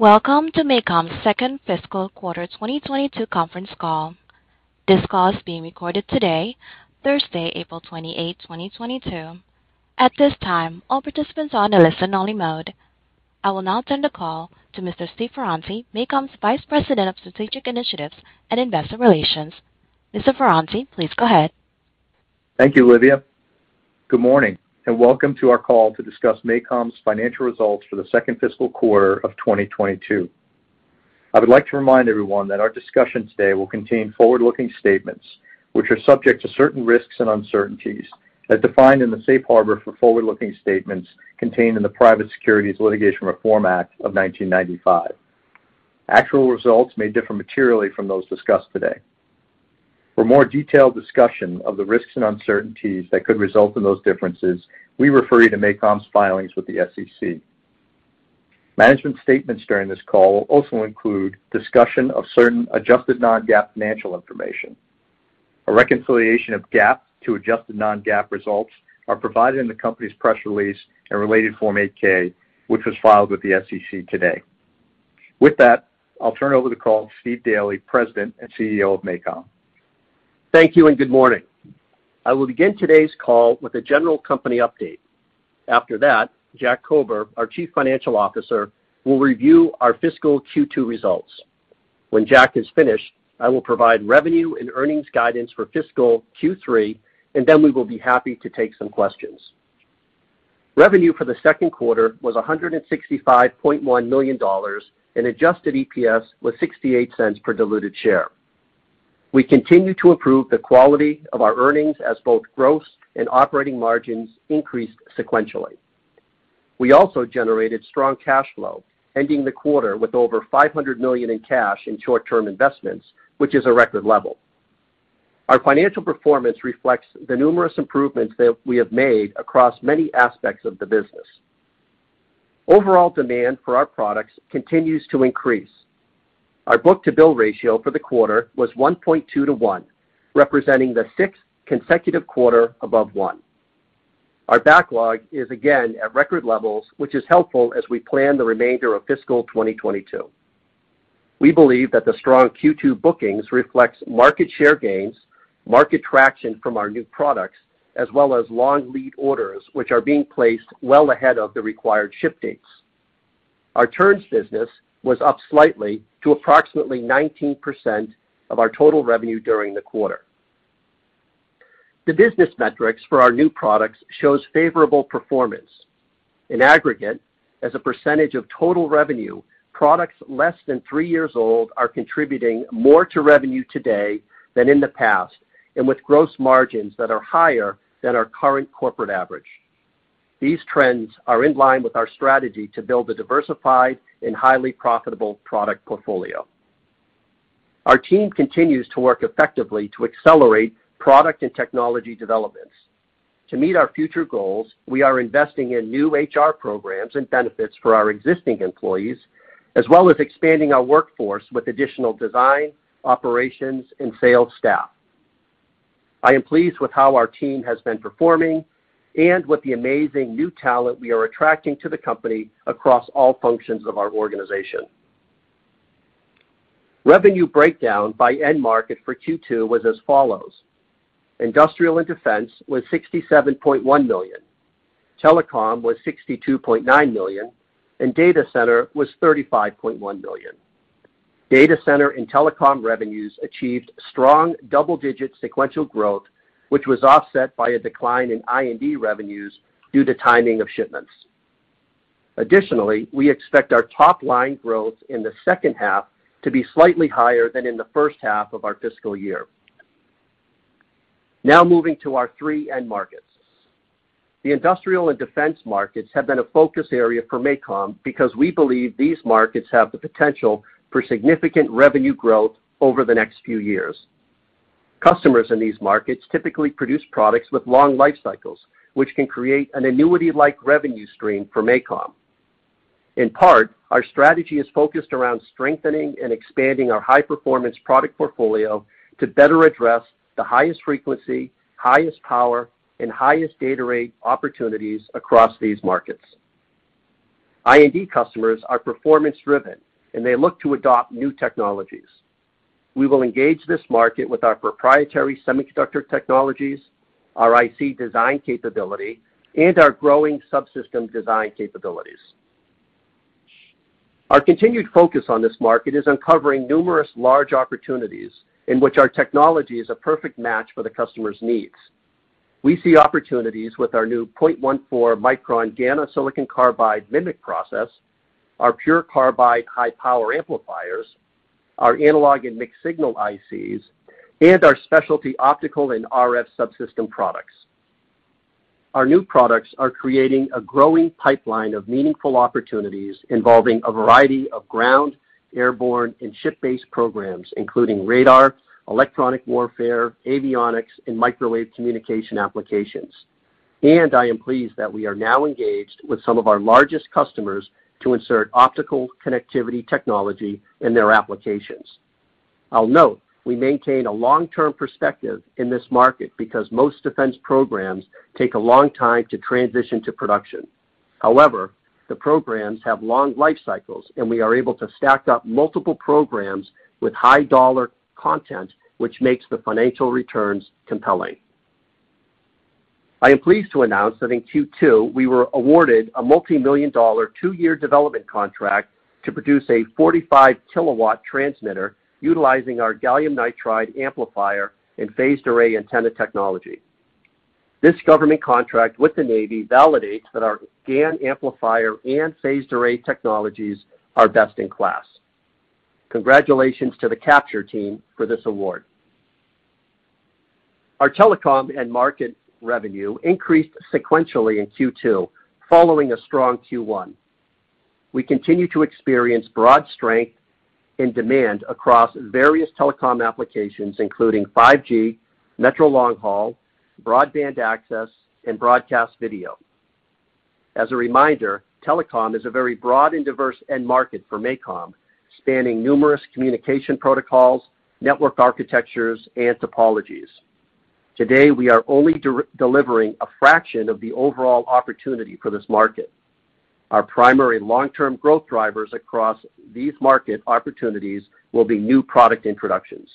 Welcome to MACOM's second fiscal quarter 2022 conference call. This call is being recorded today, Thursday, April 28, 2022. At this time, all participants are on a listen only mode. I will now turn the call to Mr. Steve Ferranti, MACOM's Vice President of Strategic Initiatives and Investor Relations. Mr. Ferranti, please go ahead. Thank you, Olivia. Good morning, and welcome to our call to discuss MACOM's financial results for the second fiscal quarter of 2022. I would like to remind everyone that our discussion today will contain forward-looking statements, which are subject to certain risks and uncertainties as defined in the safe harbor for forward-looking statements contained in the Private Securities Litigation Reform Act of 1995. Actual results may differ materially from those discussed today. For more detailed discussion of the risks and uncertainties that could result in those differences, we refer you to MACOM's filings with the SEC. Management statements during this call will also include discussion of certain adjusted non-GAAP financial information. A reconciliation of GAAP to adjusted non-GAAP results are provided in the company's press release and related Form 8-K, which was filed with the SEC today. With that, I'll turn over the call to Steve Daly, President and CEO of MACOM. Thank you, and good morning. I will begin today's call with a general company update. After that, Jack Kober, our Chief Financial Officer, will review our fiscal Q2 results. When Jack is finished, I will provide revenue and earnings guidance for fiscal Q3, and then we will be happy to take some questions. Revenue for the Q2 was $165.1 million, and adjusted EPS was $0.68 per diluted share. We continue to improve the quality of our earnings as both gross and operating margins increased sequentially. We also generated strong cash flow, ending the quarter with over $500 million in cash and short-term investments, which is a record level. Our financial performance reflects the numerous improvements that we have made across many aspects of the business. Overall demand for our products continues to increase. Our book-to-bill ratio for the quarter was 1.2 to 1, representing the sixth consecutive quarter above one. Our backlog is again at record levels, which is helpful as we plan the remainder of fiscal 2022. We believe that the strong Q2 bookings reflects market share gains, market traction from our new products, as well as long lead orders, which are being placed well ahead of the required ship dates. Our turns business was up slightly to approximately 19% of our total revenue during the quarter. The business metrics for our new products shows favorable performance. In aggregate, as a percentage of total revenue, products less than 3 years old are contributing more to revenue today than in the past and with gross margins that are higher than our current corporate average. These trends are in line with our strategy to build a diversified and highly profitable product portfolio. Our team continues to work effectively to accelerate product and technology developments. To meet our future goals, we are investing in new HR programs and benefits for our existing employees, as well as expanding our workforce with additional design, operations, and sales staff. I am pleased with how our team has been performing and with the amazing new talent we are attracting to the company across all functions of our organization. Revenue breakdown by end market for Q2 was as follows. Industrial and Defense was $67.1 million. Telecom was $62.9 million, and Data Center was $35.1 million. Data Center and Telecom revenues achieved strong double-digit sequential growth, which was offset by a decline in I&D revenues due to timing of shipments. Additionally, we expect our top line growth in the H2 to be slightly higher than in the H1 of our fiscal year. Now moving to our three end markets. The industrial and defense markets have been a focus area for MACOM because we believe these markets have the potential for significant revenue growth over the next few years. Customers in these markets typically produce products with long life cycles, which can create an annuity-like revenue stream for MACOM. In part, our strategy is focused around strengthening and expanding our high-performance product portfolio to better address the highest frequency, highest power, and highest data rate opportunities across these markets. I&D customers are performance driven, and they look to adopt new technologies. We will engage this market with our proprietary semiconductor technologies, our IC design capability, and our growing subsystem design capabilities. Our continued focus on this market is uncovering numerous large opportunities in which our technology is a perfect match for the customer's needs. We see opportunities with our new 0.14 micron gallium nitride silicon carbide MMIC process, our PURE CARBIDE high power amplifiers, our analog and mixed signal ICs, and our specialty optical and RF subsystem products. Our new products are creating a growing pipeline of meaningful opportunities involving a variety of ground, airborne, and ship-based programs, including radar, electronic warfare, avionics, and microwave communication applications. I am pleased that we are now engaged with some of our largest customers to insert optical connectivity technology in their applications. I'll note we maintain a long-term perspective in this market because most defense programs take a long time to transition to production. However, the programs have long life cycles, and we are able to stack up multiple programs with high-dollar content, which makes the financial returns compelling. I am pleased to announce that in Q2, we were awarded a multimillion-dollar 2-year development contract to produce a 45-kilowatt transmitter utilizing our gallium nitride amplifier and phased array antenna technology. This government contract with the Navy validates that our GaN amplifier and phased array technologies are best in class. Congratulations to the capture team for this award. Our telecom end market revenue increased sequentially in Q2, following a strong Q1. We continue to experience broad strength and demand across various telecom applications, including 5G, metro long haul, broadband access, and broadcast video. As a reminder, telecom is a very broad and diverse end market for MACOM, spanning numerous communication protocols, network architectures, and topologies. Today, we are only delivering a fraction of the overall opportunity for this market. Our primary long-term growth drivers across these market opportunities will be new product introductions.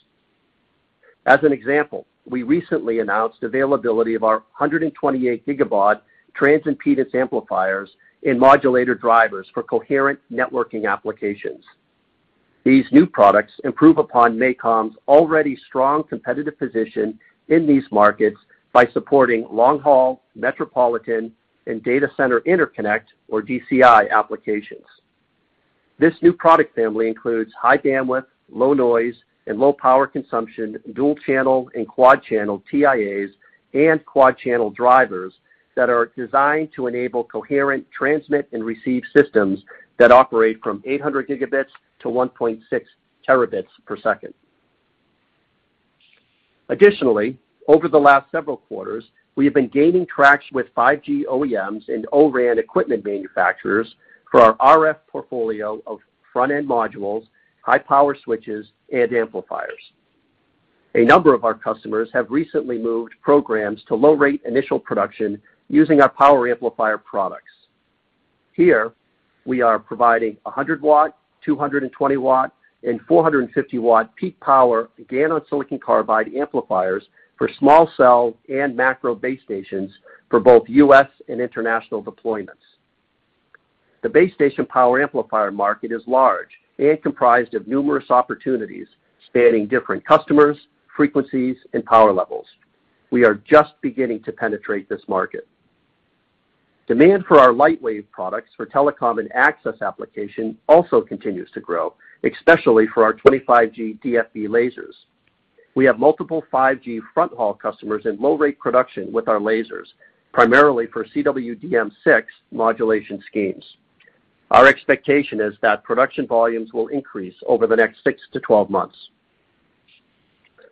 As an example, we recently announced availability of our 128 gigabaud transimpedance amplifiers and modulator drivers for coherent networking applications. These new products improve upon MACOM's already strong competitive position in these markets by supporting long-haul, metropolitan, and data center interconnect or DCI applications. This new product family includes high bandwidth, low noise, and low power consumption, dual-channel and quad-channel TIAs, and quad-channel drivers that are designed to enable coherent transmit and receive systems that operate from 800 gigabits to 1.6 terabits per second. Additionally, over the last several quarters, we have been gaining traction with 5G OEMs and O-RAN equipment manufacturers for our RF portfolio of front-end modules, high-power switches, and amplifiers. A number of our customers have recently moved programs to low rate initial production using our power amplifier products. Here, we are providing 100-watt, 220-watt, and 450-watt peak power GaN on silicon carbide amplifiers for small cell and macro base stations for both U.S. and international deployments. The base station power amplifier market is large and comprised of numerous opportunities spanning different customers, frequencies, and power levels. We are just beginning to penetrate this market. Demand for our Lightwave products for telecom and access application also continues to grow, especially for our 25G DFB lasers. We have multiple 5G front haul customers in low rate production with our lasers, primarily for CWDM6 modulation schemes. Our expectation is that production volumes will increase over the next 6 to 12 months.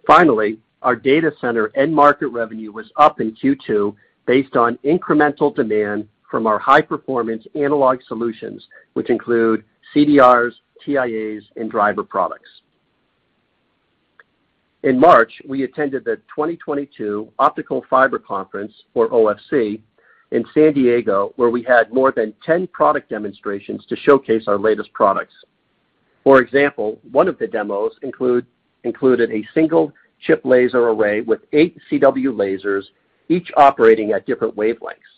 Finally, our data center end market revenue was up in Q2 based on incremental demand from our high-performance analog solutions, which include CDRs, TIAs, and driver products. In March, we attended the 2022 Optical Fiber Conference, or OFC, in San Diego, where we had more than 10 product demonstrations to showcase our latest products. For example, one of the demos included a single chip laser array with 8 CW lasers, each operating at different wavelengths.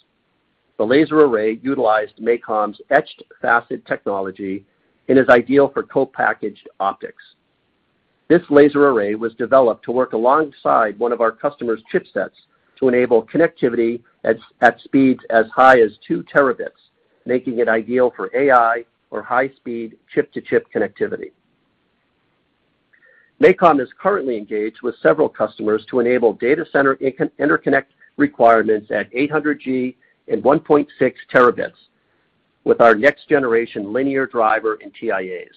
The laser array utilized MACOM's Etched Facet Technology and is ideal for co-packaged optics. This laser array was developed to work alongside one of our customers' chipsets to enable connectivity at speeds as high as 2 terabits, making it ideal for AI or high-speed chip-to-chip connectivity. MACOM is currently engaged with several customers to enable data center interconnect requirements at 800 G and 1.6 terabits with our next-generation linear driver and TIAs.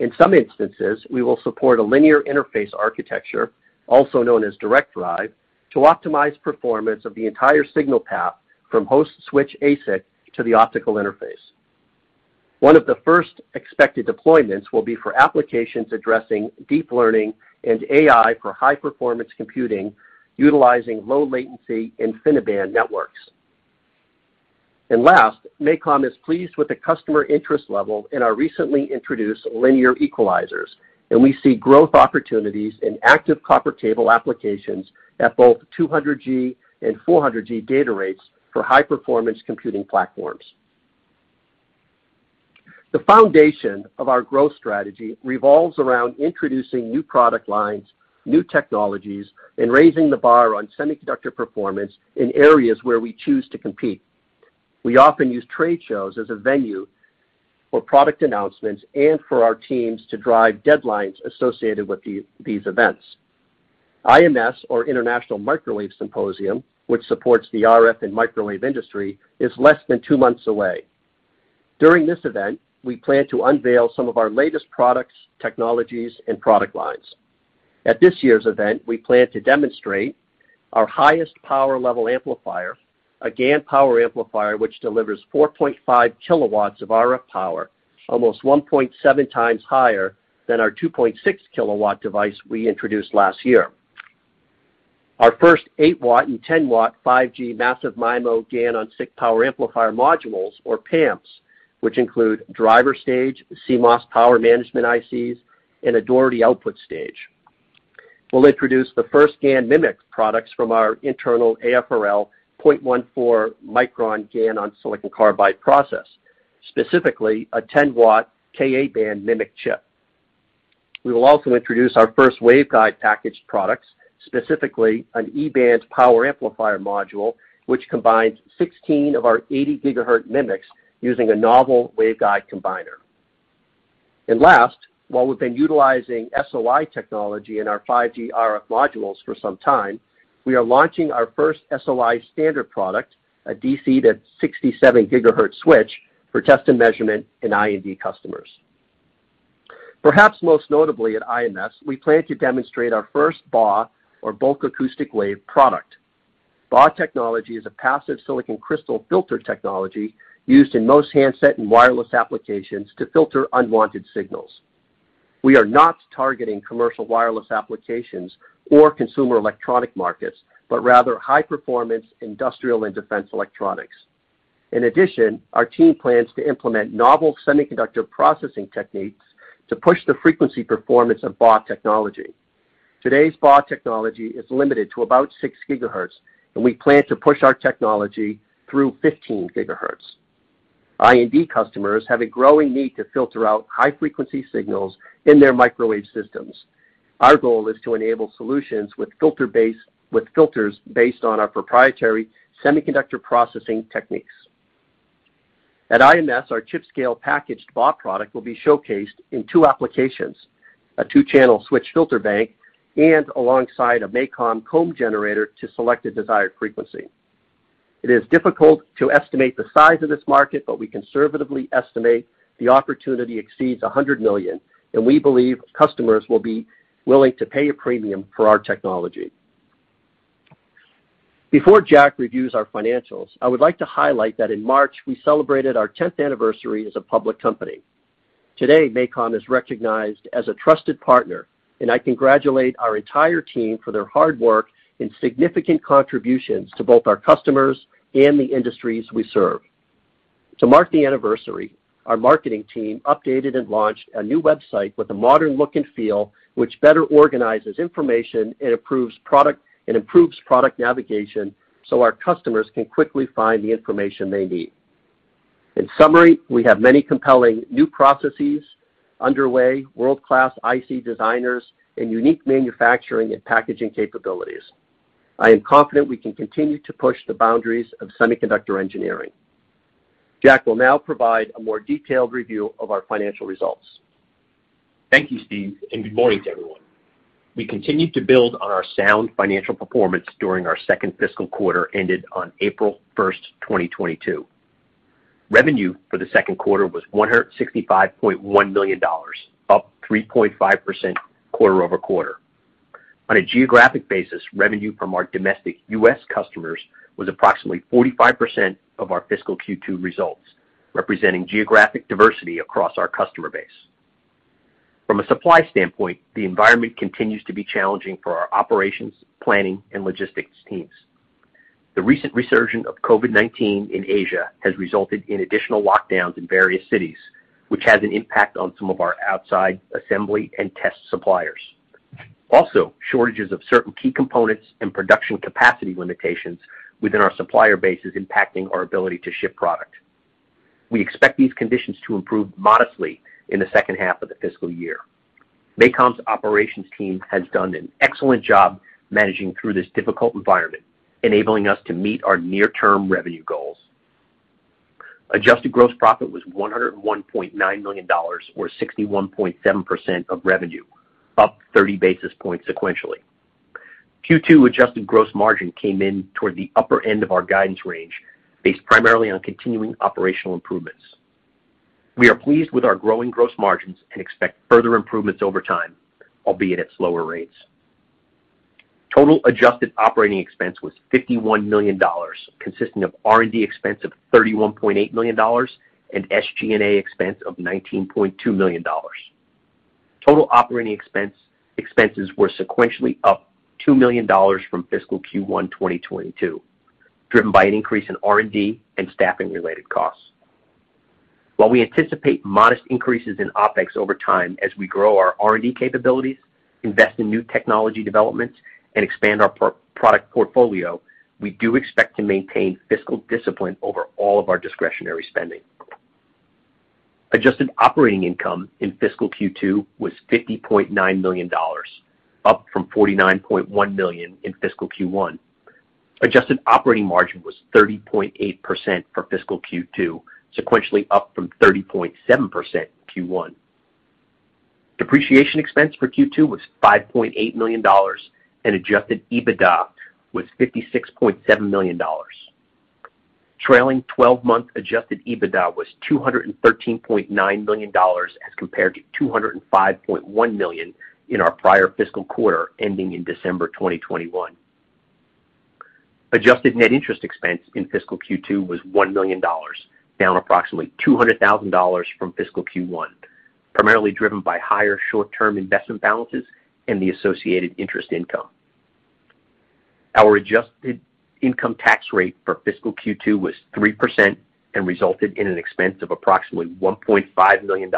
In some instances, we will support a linear interface architecture, also known as Linear Drive, to optimize performance of the entire signal path from host switch ASIC to the optical interface. One of the first expected deployments will be for applications addressing deep learning and AI for high-performance computing utilizing low latency InfiniBand networks. Last, MACOM is pleased with the customer interest level in our recently introduced linear equalizers, and we see growth opportunities in active copper cable applications at both 200 G and 400 G data rates for high-performance computing platforms. The foundation of our growth strategy revolves around introducing new product lines, new technologies, and raising the bar on semiconductor performance in areas where we choose to compete. We often use trade shows as a venue for product announcements and for our teams to drive deadlines associated with these events. IMS, or International Microwave Symposium, which supports the RF and microwave industry, is less than two months away. During this event, we plan to unveil some of our latest products, technologies, and product lines. At this year's event, we plan to demonstrate our highest power level amplifier, a GaN power amplifier, which delivers 4.5 kilowatts of RF power, almost 1.7 times higher than our 2.6 kilowatt device we introduced last year. Our first 8-watt and 10-watt 5G massive MIMO GaN on SiC power amplifier modules, or PAMs, which include driver stage, CMOS power management ICs, and a Doherty output stage. We'll introduce the first GaN MMIC products from our internal AFRL 0.14-micron GaN on silicon carbide process, specifically a 10-watt Ka-band MMIC chip. We will also introduce our first waveguide packaged products, specifically an E-band power amplifier module, which combines 16 of our 80-GHz MMICs using a novel waveguide combiner. Last, while we've been utilizing SOI technology in our 5G RF modules for some time, we are launching our first SOI standard product, a DC-to-67-GHz switch, for test and measurement in I&D customers. Perhaps most notably at IMS, we plan to demonstrate our first BAW, or bulk acoustic wave, product. BAW technology is a passive silicon crystal filter technology used in most handset and wireless applications to filter unwanted signals. We are not targeting commercial wireless applications or consumer electronic markets, but rather high-performance industrial and defense electronics. In addition, our team plans to implement novel semiconductor processing techniques to push the frequency performance of BAW technology. Today's BAW technology is limited to about 6 gigahertz, and we plan to push our technology through 15 gigahertz. R&D customers have a growing need to filter out high-frequency signals in their microwave systems. Our goal is to enable solutions with filters based on our proprietary semiconductor processing techniques. At IMS, our chip-scale packaged BAW product will be showcased in 2 applications, a 2-channel switch filter bank and alongside a MACOM comb generator to select a desired frequency. It is difficult to estimate the size of this market, but we conservatively estimate the opportunity exceeds $100 million, and we believe customers will be willing to pay a premium for our technology. Before Jack reviews our financials, I would like to highlight that in March, we celebrated our 10th anniversary as a public company. Today, MACOM is recognized as a trusted partner, and I congratulate our entire team for their hard work and significant contributions to both our customers and the industries we serve. To mark the anniversary, our marketing team updated and launched a new website with a modern look and feel, which better organizes information and improves product navigation, so our customers can quickly find the information they need. In summary, we have many compelling new processes underway, world-class IC designers, and unique manufacturing and packaging capabilities. I am confident we can continue to push the boundaries of semiconductor engineering. Jack will now provide a more detailed review of our financial results. Thank you, Steve, and good morning to everyone. We continue to build on our sound financial performance during our second fiscal quarter, ended on April 1, 2022. Revenue for the Q2 was $165.1 million, up 3.5% quarter-over-quarter. On a geographic basis, revenue from our domestic U.S. customers was approximately 45% of our fiscal Q2 results, representing geographic diversity across our customer base. From a supply standpoint, the environment continues to be challenging for our operations, planning, and logistics teams. The recent resurgence of COVID-19 in Asia has resulted in additional lockdowns in various cities, which has an impact on some of our outside assembly and test suppliers. Also, shortages of certain key components and production capacity limitations within our supplier base is impacting our ability to ship product. We expect these conditions to improve modestly in the H2 of the fiscal year. MACOM's operations team has done an excellent job managing through this difficult environment, enabling us to meet our near-term revenue goals. Adjusted gross profit was $101.9 million, or 61.7% of revenue, up 30 basis points sequentially. Q2 adjusted gross margin came in toward the upper end of our guidance range, based primarily on continuing operational improvements. We are pleased with our growing gross margins and expect further improvements over time, albeit at slower rates. Total adjusted operating expense was $51 million, consisting of R&D expense of $31.8 million and SG&A expense of $19.2 million. Total operating expenses were sequentially up $2 million from fiscal Q1 2022, driven by an increase in R&D and staffing-related costs. While we anticipate modest increases in OpEx over time as we grow our R&D capabilities, invest in new technology developments, and expand our product portfolio, we do expect to maintain fiscal discipline over all of our discretionary spending. Adjusted operating income in fiscal Q2 was $50.9 million, up from $49.1 million in fiscal Q1. Adjusted operating margin was 30.8% for fiscal Q2, sequentially up from 30.7% in Q1. Depreciation expense for Q2 was $5.8 million, and adjusted EBITDA was $56.7 million. Trailing 12-month adjusted EBITDA was $213.9 million as compared to $205.1 million in our prior fiscal quarter ending in December 2021. Adjusted net interest expense in fiscal Q2 was $1 million, down approximately $200,000 from fiscal Q1, primarily driven by higher short-term investment balances and the associated interest income. Our adjusted income tax rate for fiscal Q2 was 3% and resulted in an expense of approximately $1.5 million.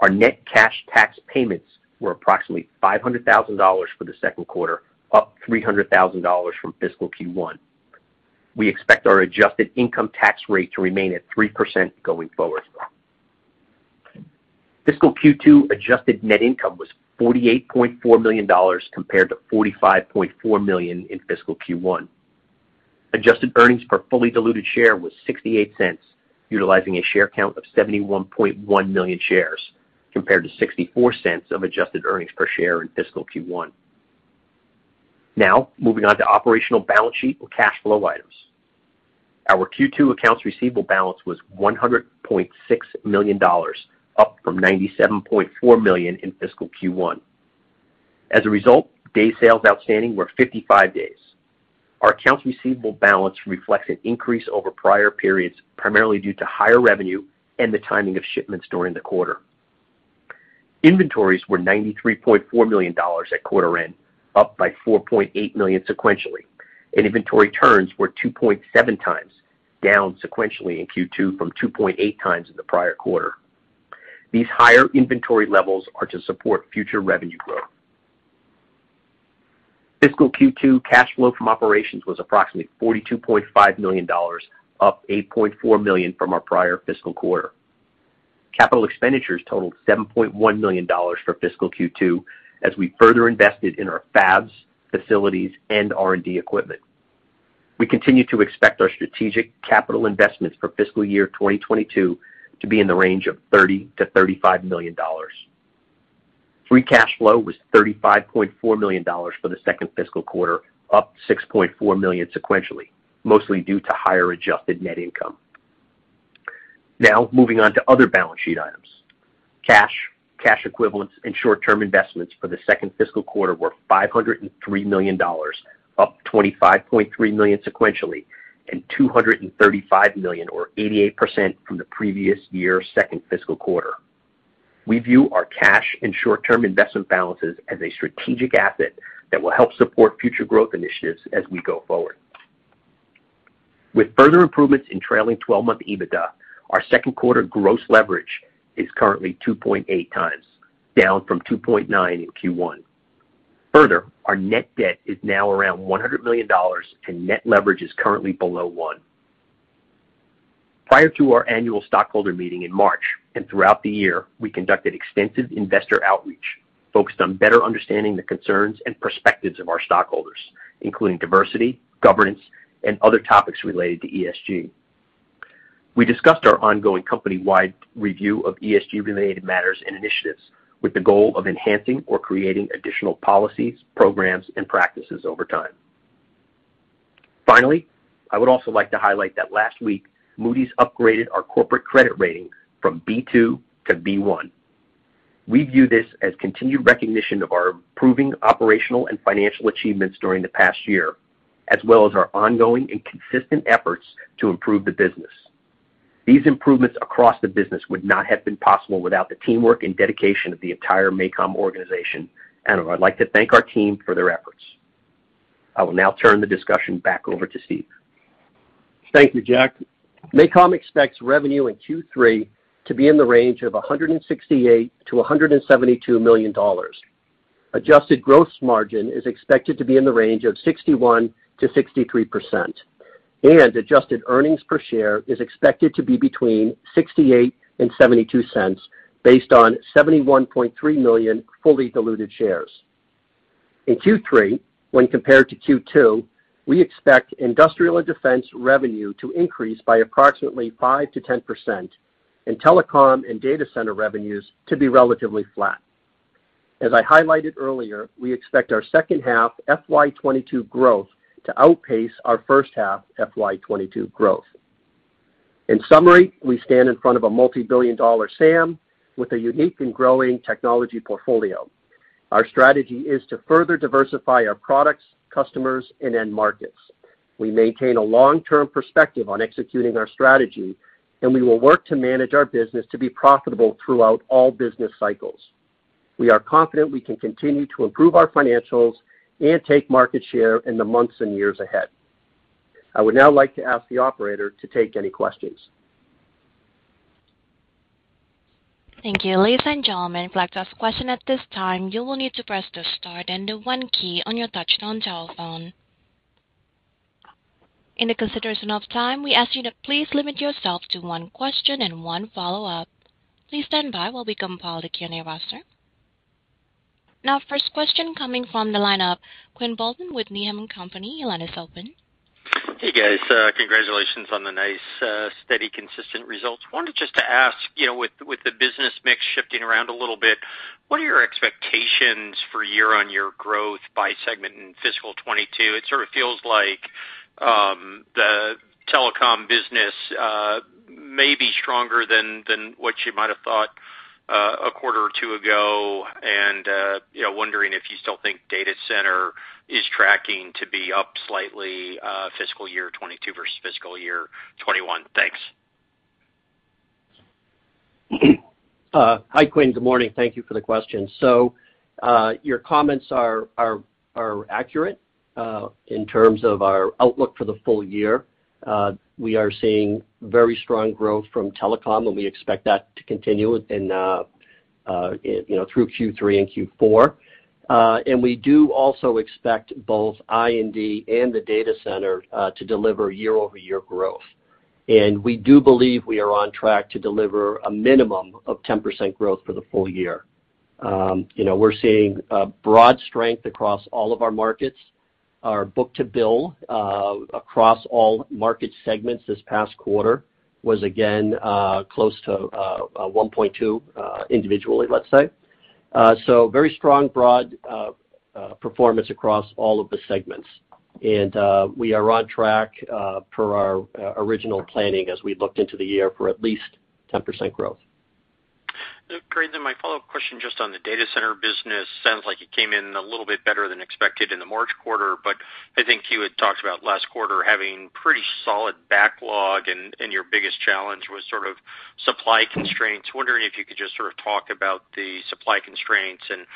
Our net cash tax payments were approximately $500,000 for the Q2, up $300,000 from fiscal Q1. We expect our adjusted income tax rate to remain at 3% going forward. Fiscal Q2 adjusted net income was $48.4 million compared to $45.4 million in fiscal Q1. Adjusted earnings per fully diluted share was $0.68, utilizing a share count of 71.1 million shares, compared to $0.64 of adjusted earnings per share in fiscal Q1. Now, moving on to operational balance sheet or cash flow items. Our Q2 accounts receivable balance was $100.6 million, up from $97.4 million in fiscal Q1. As a result, days sales outstanding were 55 days. Our accounts receivable balance reflects an increase over prior periods, primarily due to higher revenue and the timing of shipments during the quarter. Inventories were $93.4 million at quarter end, up by $4.8 million sequentially, and inventory turns were 2.7 times, down sequentially in Q2 from 2.8 times in the prior quarter. These higher inventory levels are to support future revenue growth. Fiscal Q2 cash flow from operations was approximately $42.5 million, up $8.4 million from our prior fiscal quarter. Capital expenditures totaled $7.1 million for fiscal Q2 as we further invested in our fabs, facilities, and R&D equipment. We continue to expect our strategic capital investments for fiscal year 2022 to be in the range of $30-$35 million. Free cash flow was $35.4 million for the second fiscal quarter, up $6.4 million sequentially, mostly due to higher adjusted net income. Now, moving on to other balance sheet items. Cash, cash equivalents, and short-term investments for the second fiscal quarter were $503 million, up $25.3 million sequentially, and $235 million or 88% from the previous year's second fiscal quarter. We view our cash and short-term investment balances as a strategic asset that will help support future growth initiatives as we go forward. With further improvements in trailing twelve-month EBITDA, our Q2 gross leverage is currently 2.8x, down from 2.9 in Q1. Further, our net debt is now around $100 million, and net leverage is currently below 1. Prior to our annual stockholder meeting in March, and throughout the year, we conducted extensive investor outreach focused on better understanding the concerns and perspectives of our stockholders, including diversity, governance, and other topics related to ESG. We discussed our ongoing company-wide review of ESG-related matters and initiatives with the goal of enhancing or creating additional policies, programs, and practices over time. Finally, I would also like to highlight that last week, Moody's upgraded our corporate credit rating from B2 to B1. We view this as continued recognition of our improving operational and financial achievements during the past year, as well as our ongoing and consistent efforts to improve the business. These improvements across the business would not have been possible without the teamwork and dedication of the entire MACOM organization, and I'd like to thank our team for their efforts. I will now turn the discussion back over to Steve. Thank you, Jack. MACOM expects revenue in Q3 to be in the range of $168 million-$172 million. Adjusted gross margin is expected to be in the range of 61%-63%, and adjusted earnings per share is expected to be between $0.68 and $0.72 based on 71.3 million fully diluted shares. In Q3, when compared to Q2, we expect industrial and defense revenue to increase by approximately 5%-10%, and telecom and data center revenues to be relatively flat. As I highlighted earlier, we expect our H2 FY 2022 growth to outpace our H1 FY 2022 growth. In summary, we stand in front of a multi-billion dollar SAM with a unique and growing technology portfolio. Our strategy is to further diversify our products, customers, and end markets. We maintain a long-term perspective on executing our strategy, and we will work to manage our business to be profitable throughout all business cycles. We are confident we can continue to improve our financials and take market share in the months and years ahead. I would now like to ask the operator to take any questions. Thank you. Ladies and gentlemen, if you would like to ask a question at this time, you will need to press the star then the one key on your touchtone telephone. In the consideration of time, we ask you to please limit yourself to one question and one follow-up. Please stand by while we compile the Q&A roster. Now, first question coming from the line of Quinn Bolton with Needham & Company. Your line is open. Hey, guys. Congratulations on the nice, steady, consistent results. Wanted just to ask, you know, with the business mix shifting around a little bit, what are your expectations for year-on-year growth by segment in fiscal 2022? It sort of feels like, the telecom business, maybe stronger than what you might have thought, a quarter or two ago. You know, wondering if you still think data center is tracking to be up slightly, fiscal year 2022 versus fiscal year 2021. Thanks. Hi, Quinn. Good morning. Thank you for the question. Your comments are accurate in terms of our outlook for the full year. We are seeing very strong growth from telecom, and we expect that to continue in, you know, through Q3 and Q4. We do also expect both I&D and the data center to deliver year-over-year growth. We do believe we are on track to deliver a minimum of 10% growth for the full year. You know, we're seeing broad strength across all of our markets. Our book-to-bill across all market segments this past quarter was again close to 1.2 individually, let's say. So very strong broad performance across all of the segments. We are on track per our original planning as we looked into the year for at least 10% growth. Great. My follow-up question just on the data center business. Sounds like it came in a little bit better than expected in the March quarter, but I think you had talked about last quarter having pretty solid backlog and your biggest challenge was sort of supply constraints. Wondering if you could just sort of talk about the supply constraints and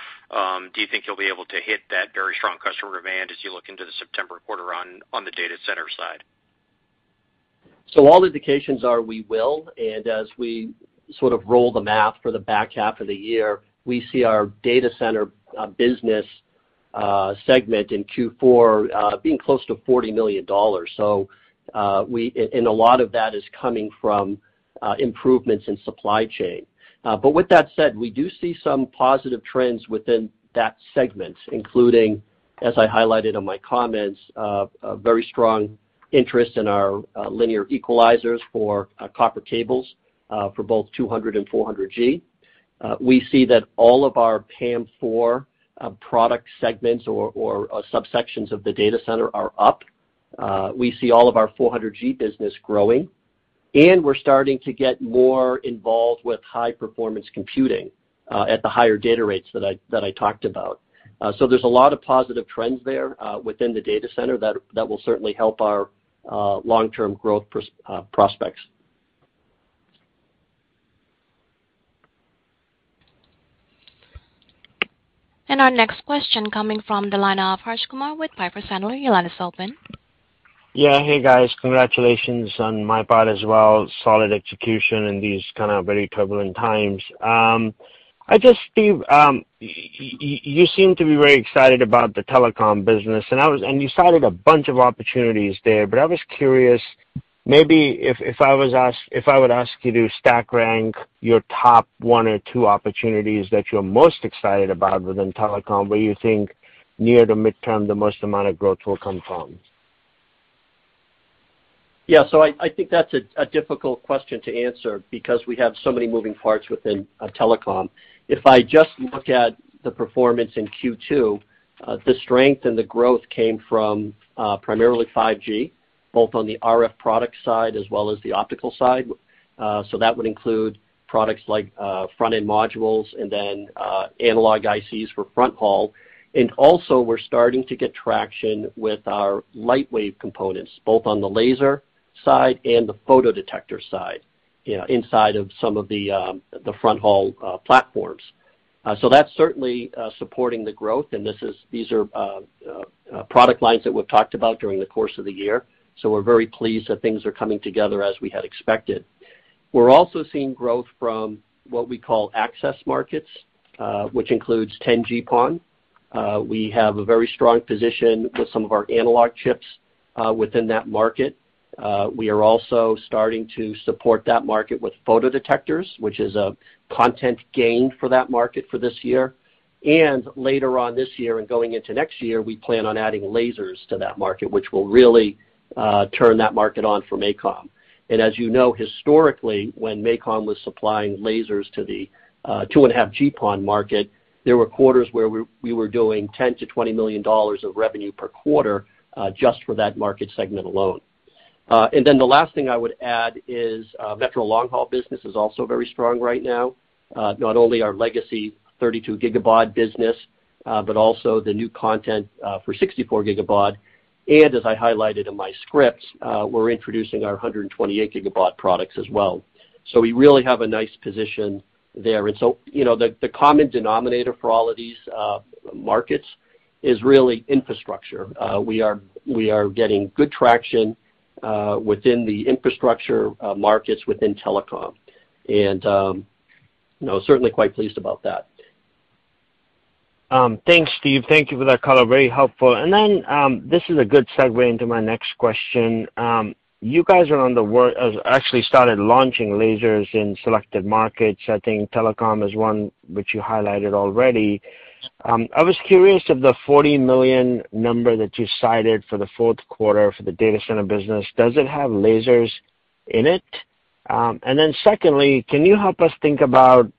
do you think you'll be able to hit that very strong customer demand as you look into the September quarter on the data center side? All indications are we will. As we sort of run the math for the back half of the year, we see our data center business segment in Q4 being close to $40 million. A lot of that is coming from improvements in supply chain. With that said, we do see some positive trends within that segment, including, as I highlighted in my comments, a very strong interest in our linear equalizers for copper cables for both 200 and 400 G. We see that all of our PAM4 product segments or subsections of the data center are up. We see all of our 400G business growing, and we're starting to get more involved with high performance computing at the higher data rates that I talked about. There's a lot of positive trends there within the data center that will certainly help our long-term growth prospects. Our next question coming from the line of Harsh Kumar with Piper Sandler. Your line is open. Yeah. Hey, guys. Congratulations on my part as well. Solid execution in these kind of very turbulent times. I just, Steve, you seem to be very excited about the telecom business, and you cited a bunch of opportunities there, but I was curious. Maybe if I would ask you to stack rank your top one or two opportunities that you're most excited about within telecom, where you think near to midterm, the most amount of growth will come from. Yeah. I think that's a difficult question to answer because we have so many moving parts within telecom. If I just look at the performance in Q2, the strength and the growth came from primarily 5G, both on the RF product side as well as the optical side. That would include products like front-end modules and then analog ICs for fronthaul. Also we're starting to get traction with our Lightwave components, both on the laser side and the photodetector side, you know, inside of some of the fronthaul platforms. That's certainly supporting the growth. These are product lines that we've talked about during the course of the year. We're very pleased that things are coming together as we had expected. We're also seeing growth from what we call access markets, which includes 10G-PON. We have a very strong position with some of our analog chips within that market. We are also starting to support that market with photodetectors, which is a content gain for that market for this year. Later on this year and going into next year, we plan on adding lasers to that market, which will really turn that market on for MACOM. As you know, historically, when MACOM was supplying lasers to the 2.5G PON market, there were quarters where we were doing $10-$20 million of revenue per quarter just for that market segment alone. The last thing I would add is metro long haul business is also very strong right now. Not only our legacy 32 gigabaud business, but also the new content for 64 gigabaud. As I highlighted in my scripts, we're introducing our 128 gigabaud products as well. We really have a nice position there. You know, the common denominator for all of these markets is really infrastructure. We are getting good traction within the infrastructure markets within telecom. You know, certainly quite pleased about that. Thanks, Steve. Thank you for that color. Very helpful. This is a good segue into my next question. You guys actually started launching lasers in selected markets. I think telecom is one which you highlighted already. I was curious of the $40 million number that you cited for the q4 for the data center business. Does it have lasers in it? Secondly, can you help us think about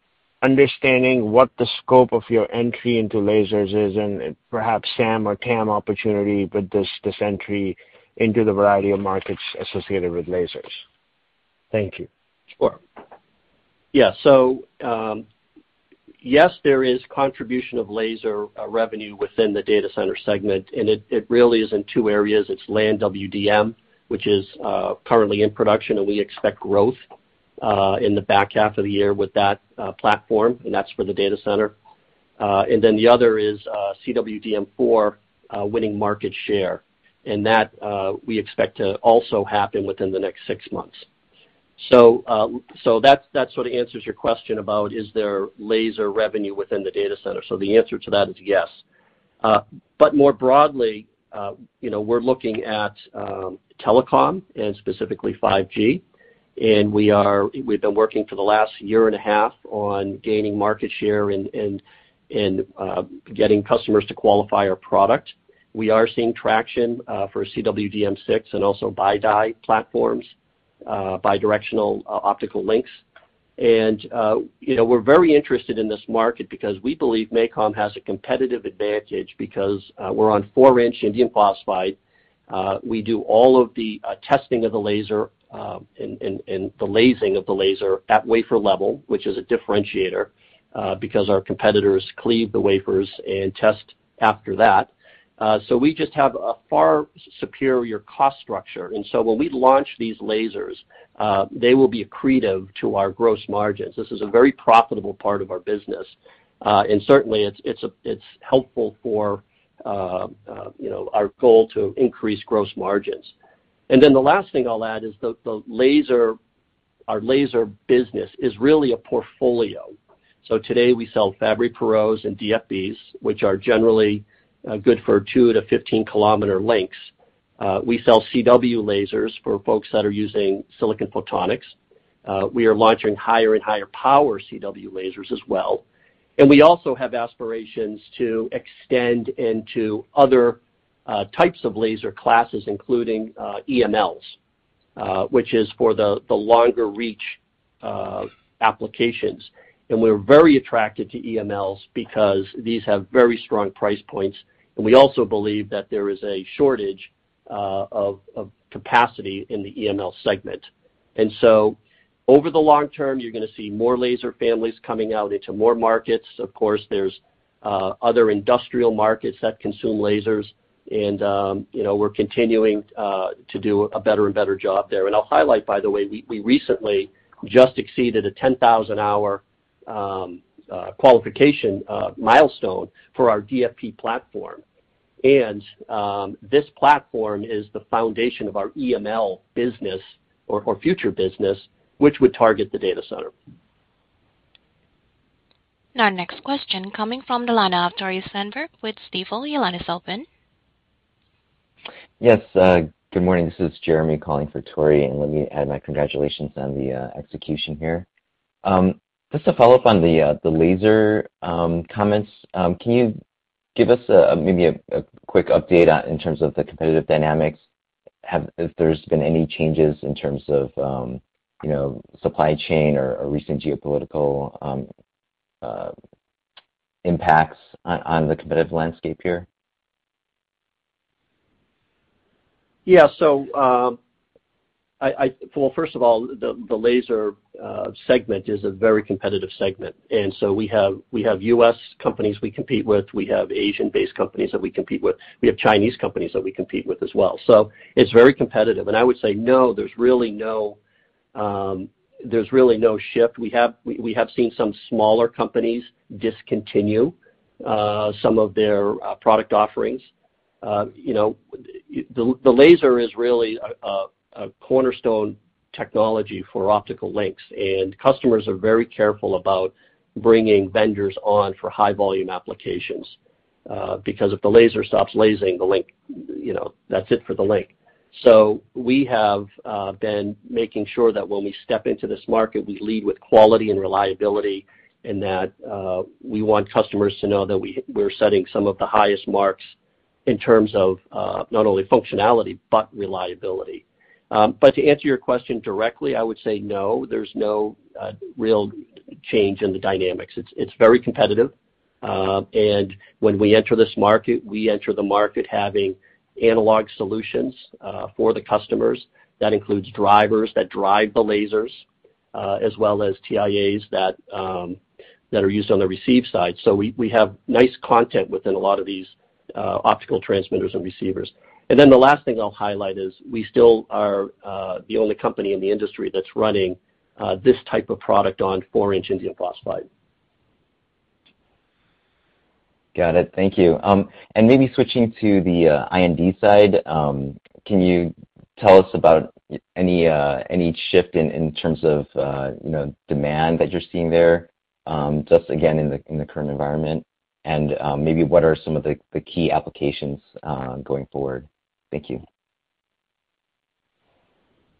understanding what the scope of your entry into lasers is and perhaps SAM or TAM opportunity with this entry into the variety of markets associated with lasers. Thank you. Sure. Yeah. Yes, there is contribution of laser revenue within the data center segment, and it really is in two areas. It's LAN WDM, which is currently in production, and we expect growth in the back half of the year with that platform, and that's for the data center. The other is CWDM4 winning market share, and that we expect to also happen within the next six months. That sort of answers your question about is there laser revenue within the data center. The answer to that is yes. More broadly, you know, we're looking at telecom and specifically 5G. We've been working for the last year and a half on gaining market share and getting customers to qualify our product. We are seeing traction for CWDM six and also BiDi platforms, bidirectional optical links. You know, we're very interested in this market because we believe MACOM has a competitive advantage because we're on four-inch indium phosphide. We do all of the testing of the laser and the lasing of the laser at wafer level, which is a differentiator because our competitors cleave the wafers and test after that. So we just have a far superior cost structure. When we launch these lasers, they will be accretive to our gross margins. This is a very profitable part of our business. Certainly, it's helpful for, you know, our goal to increase gross margins. The last thing I'll add is the laser, our laser business is really a portfolio. Today, we sell Fabry-Perots and DFBs, which are generally good for 2- to 15-kilometer lengths. We sell CW lasers for folks that are using silicon photonics. We are launching higher and higher power CW lasers as well. We also have aspirations to extend into other types of laser classes, including EMLs, which is for the longer reach applications. We're very attracted to EMLs because these have very strong price points. We also believe that there is a shortage of capacity in the EML segment. Over the long term, you're gonna see more laser families coming out into more markets. Of course, there's other industrial markets that consume lasers and, you know, we're continuing to do a better and better job there. I'll highlight, by the way, we recently just exceeded a 10,000-hour qualification milestone for our DFB platform. This platform is the foundation of our EML business or future business, which would target the data center. Our next question coming from the line of Tore Svanberg with Stifel. Your line is open. Yes. Good morning. This is Jeremy calling for Tore, and let me add my congratulations on the execution here. Just to follow up on the laser comments, can you give us maybe a quick update on, in terms of the competitive dynamics? If there's been any changes in terms of, you know, supply chain or recent geopolitical impacts on the competitive landscape here? Yeah. Well, first of all, the laser segment is a very competitive segment. We have U.S. companies we compete with. We have Asian-based companies that we compete with. We have Chinese companies that we compete with as well. It's very competitive. I would say no, there's really no shift. We have seen some smaller companies discontinue some of their product offerings. You know, the laser is really a cornerstone technology for optical links, and customers are very careful about bringing vendors on for high volume applications. Because if the laser stops lasing the link, you know, that's it for the link. We have been making sure that when we step into this market, we lead with quality and reliability and that we want customers to know that we're setting some of the highest marks in terms of not only functionality but reliability. To answer your question directly, I would say no, there's no real change in the dynamics. It's very competitive. When we enter this market, we enter the market having analog solutions for the customers. That includes drivers that drive the lasers as well as TIAs that are used on the receive side. We have nice content within a lot of these optical transmitters and receivers. The last thing I'll highlight is we still are the only company in the industry that's running this type of product on 4-inch indium phosphide. Got it. Thank you. Maybe switching to the I&D side, can you tell us about any shift in terms of you know demand that you're seeing there, just again, in the current environment? Maybe what are some of the key applications going forward? Thank you.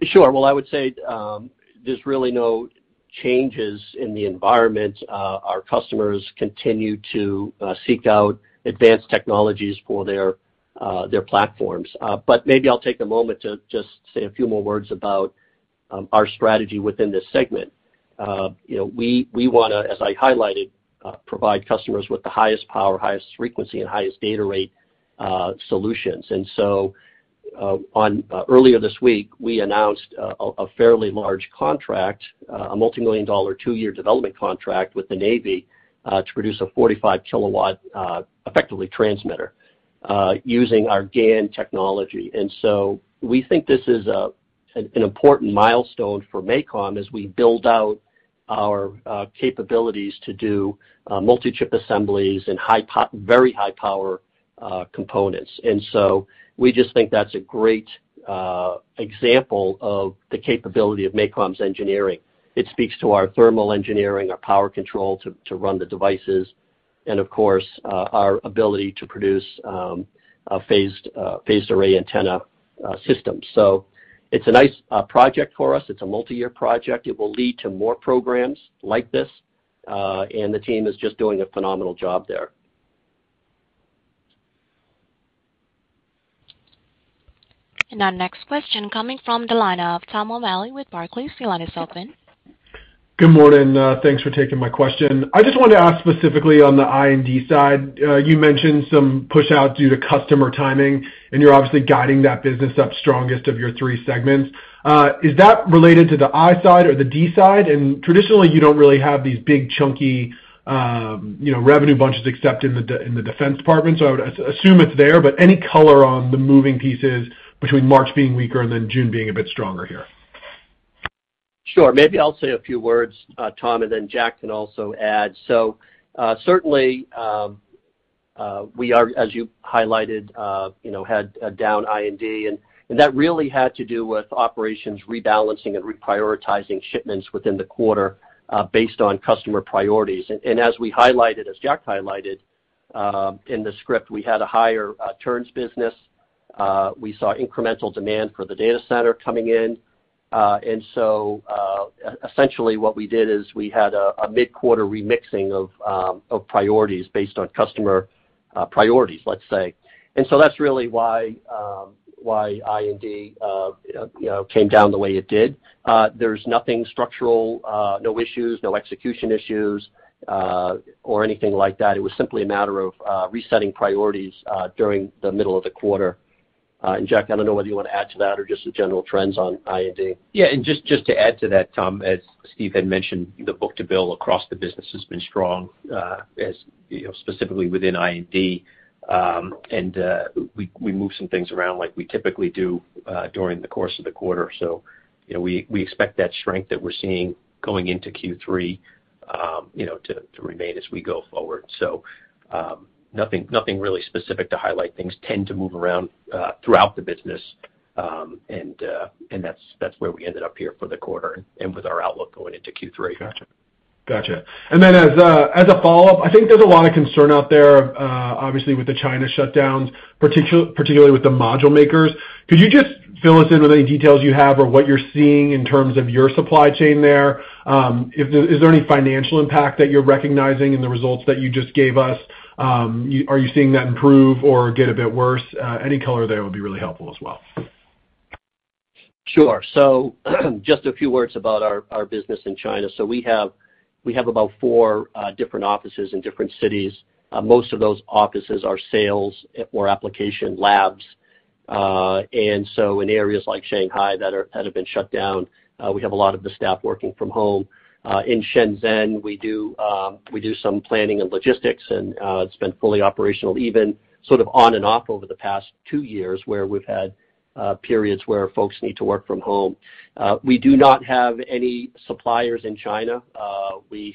Sure. Well, I would say, there's really no changes in the environment. Our customers continue to seek out advanced technologies for their platforms. Maybe I'll take a moment to just say a few more words about our strategy within this segment. You know, we wanna, as I highlighted, provide customers with the highest power, highest frequency, and highest data rate solutions. On earlier this week, we announced a fairly large contract, a multimillion-dollar two-year development contract with the Navy to produce a 45 kW effective transmitter using our GaN technology. We think this is an important milestone for MACOM as we build out our capabilities to do multi-chip assemblies and very high power components. We just think that's a great example of the capability of MACOM's engineering. It speaks to our thermal engineering, our power control to run the devices and of course, our ability to produce a phased array antenna system. It's a nice project for us. It's a multi-year project. It will lead to more programs like this, and the team is just doing a phenomenal job there. Our next question coming from the line of Tom O'Malley with Barclays. Your line is open. Good morning. Thanks for taking my question. I just wanted to ask specifically on the I&D side. You mentioned some push out due to customer timing, and you're obviously guiding that business up strongest of your three segments. Is that related to the I side or the D side? Traditionally, you don't really have these big chunky, you know, revenue bunches except in the defense department, so I would assume it's there. Any color on the moving pieces between March being weaker and then June being a bit stronger here? Sure. Maybe I'll say a few words, Tom, and then Jack can also add. Certainly, we, as you highlighted, you know, had a down I&D, and that really had to do with operations rebalancing and reprioritizing shipments within the quarter, based on customer priorities. And as we highlighted, as Jack highlighted, in the script, we had a higher turns business. We saw incremental demand for the data center coming in. Essentially what we did is we had a mid-quarter remixing of priorities based on customer priorities, let's say. That's really why I&D, you know, came down the way it did. There's nothing structural, no issues, no execution issues, or anything like that. It was simply a matter of resetting priorities during the middle of the quarter. Jack, I don't know whether you wanna add to that or just the general trends on R&D. Yeah. Just to add to that, Tom, as Steve had mentioned, the book-to-bill across the business has been strong, as you know, specifically within I&D. We moved some things around like we typically do during the course of the quarter. You know, we expect that strength that we're seeing going into Q3, you know, to remain as we go forward. Nothing really specific to highlight. Things tend to move around throughout the business, and that's where we ended up here for the quarter and with our outlook going into Q3. Gotcha. As a follow-up, I think there's a lot of concern out there, obviously with the China shutdowns, particularly with the module makers. Could you just fill us in with any details you have or what you're seeing in terms of your supply chain there? Is there any financial impact that you're recognizing in the results that you just gave us? Are you seeing that improve or get a bit worse? Any color there would be really helpful as well. Sure. Just a few words about our business in China. We have about 4 different offices in different cities. Most of those offices are sales or application labs. In areas like Shanghai that have been shut down, we have a lot of the staff working from home. In Shenzhen, we do some planning and logistics, and it's been fully operational, even sort of on and off over the past 2 years, where we've had periods where folks need to work from home. We do not have any suppliers in China. We're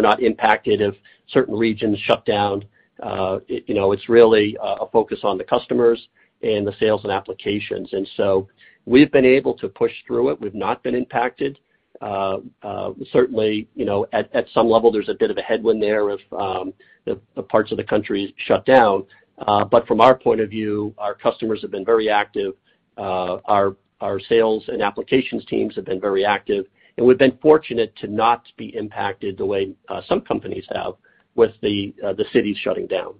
not impacted if certain regions shut down. It, you know, it's really a focus on the customers and the sales and applications. We've been able to push through it. We've not been impacted. Certainly, you know, at some level, there's a bit of a headwind there with the parts of the country shut down. From our point of view, our customers have been very active. Our sales and applications teams have been very active, and we've been fortunate to not be impacted the way some companies have with the cities shutting down.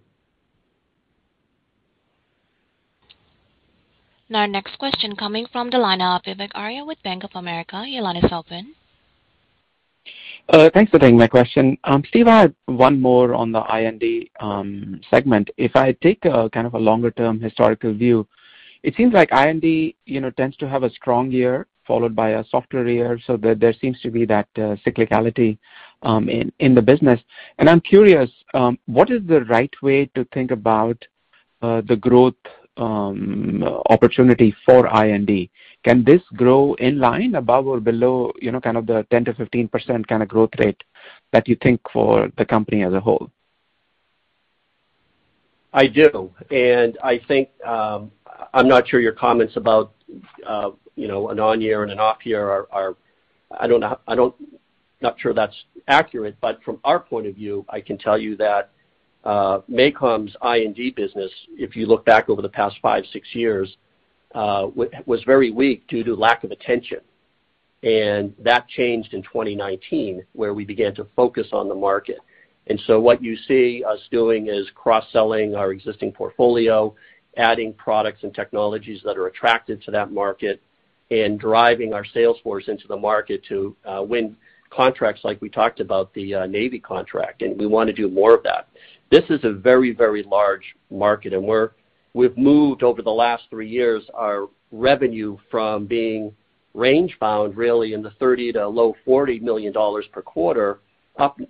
Now our next question coming from the line of Vivek Arya with Bank of America. Your line is open. Thanks for taking my question. Steve, I have one more on the I&D segment. If I take kind of a longer term historical view, it seems like I&D you know tends to have a strong year followed by a softer year, so there seems to be that cyclicality in the business. I'm curious what is the right way to think about the growth opportunity for I&D? Can this grow in line above or below you know kind of the 10%-15% kinda growth rate that you think for the company as a whole? I do. I think, I'm not sure your comments about, you know, an on year and an off year are. I don't know. I don't. Not sure that's accurate, but from our point of view, I can tell you that, MACOM's I&D business, if you look back over the past five, six years, was very weak due to lack of attention. That changed in 2019, where we began to focus on the market. What you see us doing is cross-selling our existing portfolio, adding products and technologies that are attractive to that market, and driving our sales force into the market to, win contracts like we talked about, the, Navy contract, and we wanna do more of that. This is a very, very large market, and we've moved, over the last three years, our revenue from being range bound, really, in the $30 million to low $40 million per quarter up,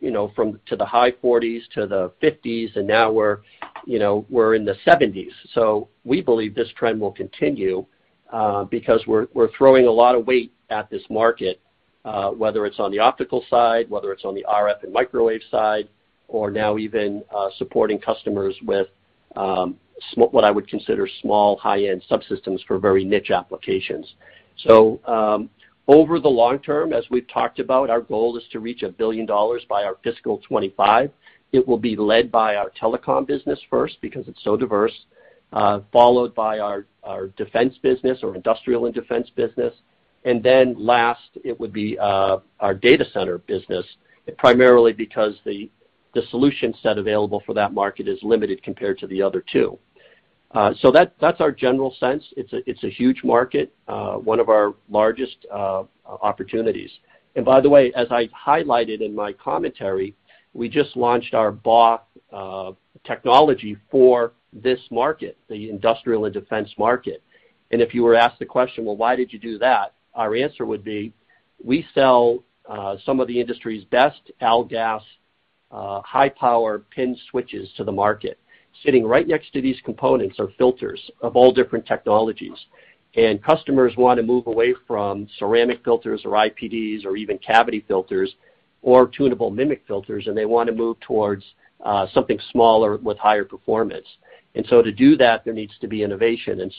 you know, to the high 40s to the 50s, and now we're, you know, we're in the 70s. We believe this trend will continue, because we're throwing a lot of weight at this market, whether it's on the optical side, whether it's on the RF and microwave side, or now even supporting customers with what I would consider small high-end subsystems for very niche applications. Over the long term, as we've talked about, our goal is to reach $1 billion by our fiscal 2025. It will be led by our telecom business first, because it's so diverse, followed by our defense business or industrial and defense business, and then last, it would be our data center business, primarily because the solution set available for that market is limited compared to the other two. That's our general sense. It's a huge market, one of our largest opportunities. By the way, as I highlighted in my commentary, we just launched our BAW technology for this market, the industrial and defense market. If you were asked the question, "Well, why did you do that?" Our answer would be, we sell some of the industry's best AlGaAs high-power PIN switches to the market. Sitting right next to these components are filters of all different technologies. Customers wanna move away from ceramic filters or IPDs or even cavity filters or tunable MMIC filters, and they wanna move towards something smaller with higher performance. To do that, there needs to be innovation.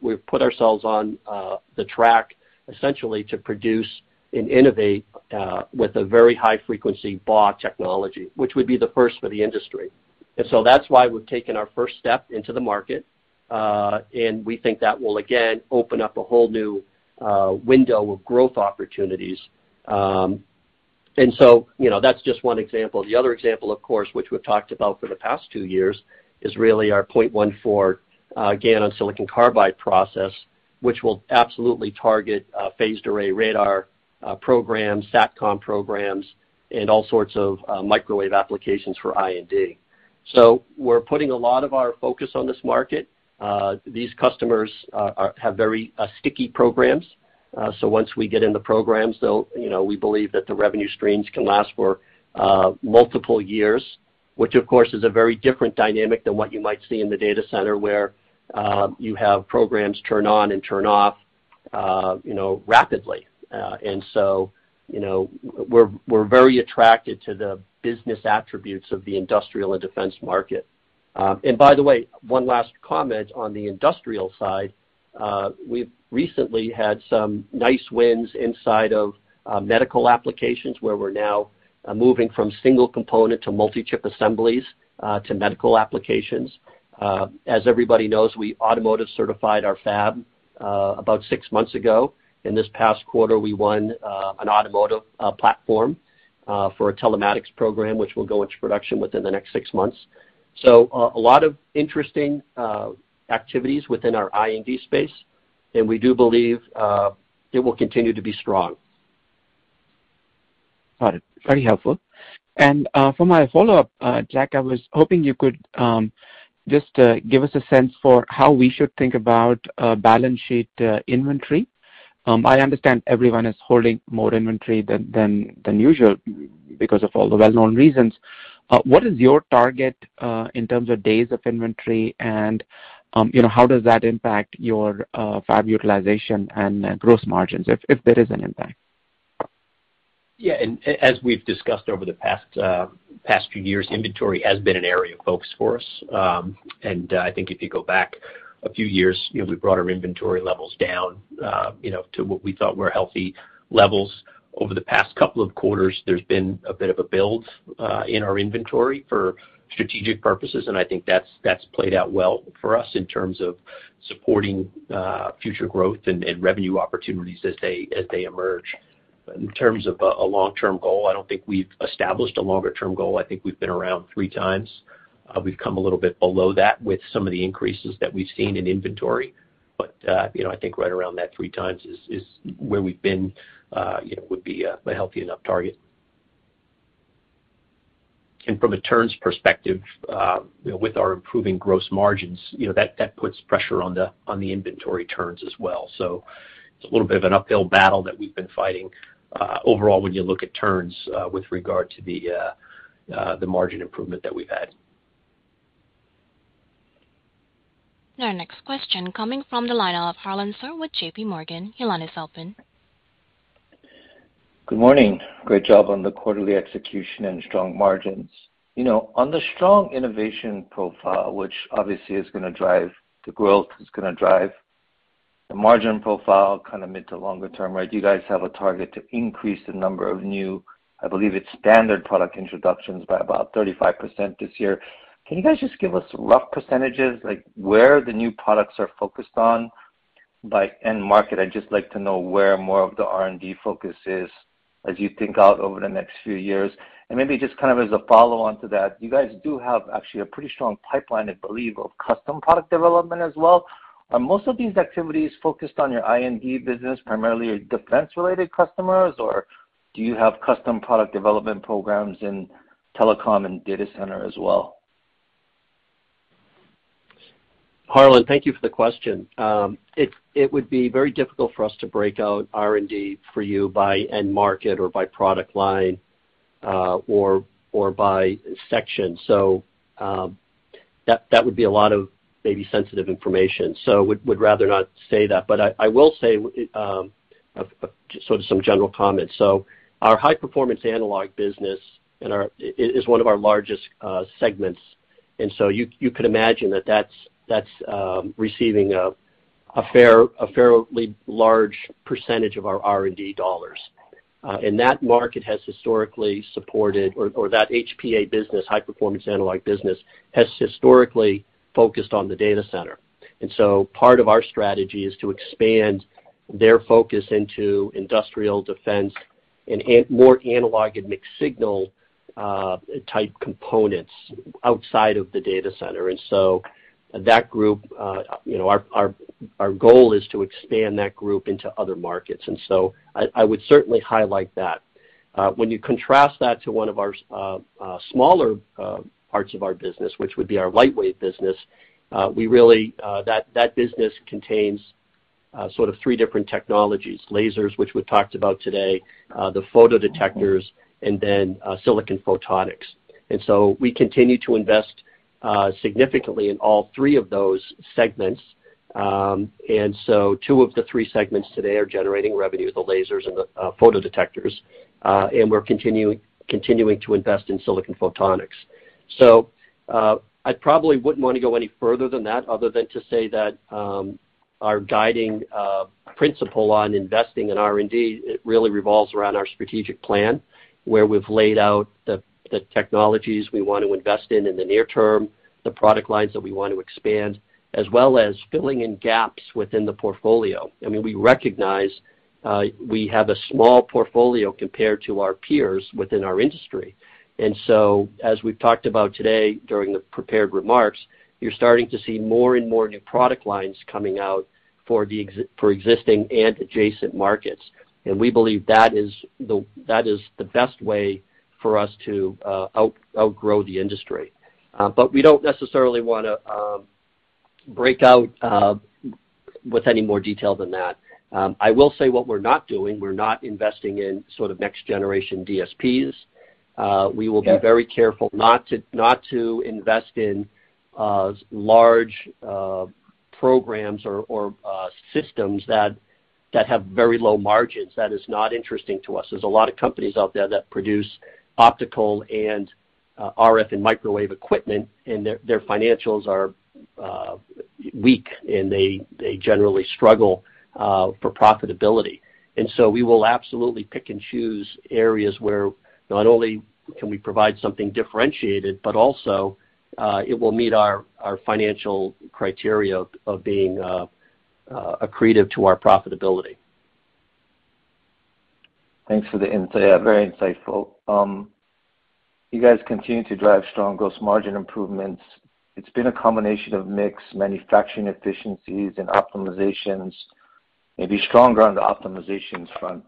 We've put ourselves on the track essentially to produce and innovate with a very high frequency BAW technology, which would be the first for the industry. That's why we've taken our first step into the market, and we think that will again open up a whole new window of growth opportunities. You know, that's just one example. The other example, of course, which we've talked about for the past 2 years, is really our 0.14 GaN on silicon carbide process, which will absolutely target phased array radar programs, SATCOM programs, and all sorts of microwave applications for I&D. We're putting a lot of our focus on this market. These customers have very sticky programs. Once we get in the programs, they'll, you know, we believe that the revenue streams can last for multiple years, which of course is a very different dynamic than what you might see in the data center, where you have programs turn on and turn off, you know, rapidly. You know, we're very attracted to the business attributes of the industrial and defense market. By the way, one last comment on the industrial side. We've recently had some nice wins inside of medical applications, where we're now moving from single component to multi-chip assemblies to medical applications. As everybody knows, we automotive certified our fab about six months ago. In this past quarter, we won an automotive platform for a telematics program, which will go into production within the next six months. A lot of interesting activities within our I&D space, and we do believe it will continue to be strong. Got it. Very helpful. For my follow-up, Jack, I was hoping you could just give us a sense for how we should think about balance sheet inventory. I understand everyone is holding more inventory than usual because of all the well-known reasons. What is your target in terms of days of inventory and you know, how does that impact your fab utilization and gross margins, if there is an impact? Yeah. As we've discussed over the past few years, inventory has been an area of focus for us. I think if you go back a few years, you know, we brought our inventory levels down, you know, to what we thought were healthy levels. Over the past couple of quarters, there's been a bit of a build in our inventory for strategic purposes, and I think that's played out well for us in terms of supporting future growth and revenue opportunities as they emerge. In terms of a long-term goal, I don't think we've established a longer-term goal. I think we've been around three times. We've come a little bit below that with some of the increases that we've seen in inventory. You know, I think right around that 3 times is where we've been, you know, would be a healthy enough target. From a turns perspective, you know, with our improving gross margins, you know, that puts pressure on the inventory turns as well. It's a little bit of an uphill battle that we've been fighting, overall, when you look at turns, with regard to the margin improvement that we've had. Our next question coming from the line of Harlan Sur with J.P. Morgan. Harlan Sur. Good morning. Great job on the quarterly execution and strong margins. You know, on the strong innovation profile, which obviously is gonna drive the growth, it's gonna drive the margin profile kind of mid to longer term, right? You guys have a target to increase the number of new, I believe it's standard product introductions by about 35% this year. Can you guys just give us rough percentages, like where the new products are focused on? By end market, I'd just like to know where more of the R&D focus is as you think out over the next few years. Maybe just kind of as a follow-on to that, you guys do have actually a pretty strong pipeline, I believe, of custom product development as well. Are most of these activities focused on your I&D business, primarily defense-related customers? Or do you have custom product development programs in telecom and data center as well? Harlan, thank you for the question. It would be very difficult for us to break out R&D for you by end market or by product line, or by section. That would be a lot of maybe sensitive information. Would rather not say that. I will say, sort of some general comments. Our high-performance analog business is one of our largest segments. You could imagine that that's receiving a fairly large percentage of our R&D dollars. That market has historically supported, or that HPA business, high-performance analog business, has historically focused on the data center. Part of our strategy is to expand their focus into industrial defense and more analog and mixed signal type components outside of the data center. That group, you know, our goal is to expand that group into other markets. I would certainly highlight that. When you contrast that to one of our smaller parts of our business, which would be our Lightwave business, we really, that business contains sort of three different technologies, lasers, which we've talked about today, the photodetectors, and then silicon photonics. We continue to invest significantly in all three of those segments. Two of the three segments today are generating revenue, the lasers and the photodetectors, and we're continuing to invest in silicon photonics. I probably wouldn't wanna go any further than that other than to say that, our guiding principle on investing in R&D, it really revolves around our strategic plan, where we've laid out the technologies we want to invest in in the near term, the product lines that we want to expand, as well as filling in gaps within the portfolio. I mean, we recognize we have a small portfolio compared to our peers within our industry. As we've talked about today during the prepared remarks, you're starting to see more and more new product lines coming out for existing and adjacent markets. We believe that is the best way for us to outgrow the industry. We don't necessarily wanna break out with any more detail than that. I will say what we're not doing, we're not investing in sort of next generation DSPs. We will be very careful not to invest in large programs or systems that have very low margins. That is not interesting to us. There's a lot of companies out there that produce optical and RF and microwave equipment, and their financials are weak, and they generally struggle for profitability. We will absolutely pick and choose areas where not only can we provide something differentiated, but also it will meet our financial criteria of being accretive to our profitability. Thanks for the insight. Very insightful. You guys continue to drive strong gross margin improvements. It's been a combination of mix, manufacturing efficiencies and optimizations, maybe stronger on the optimizations front.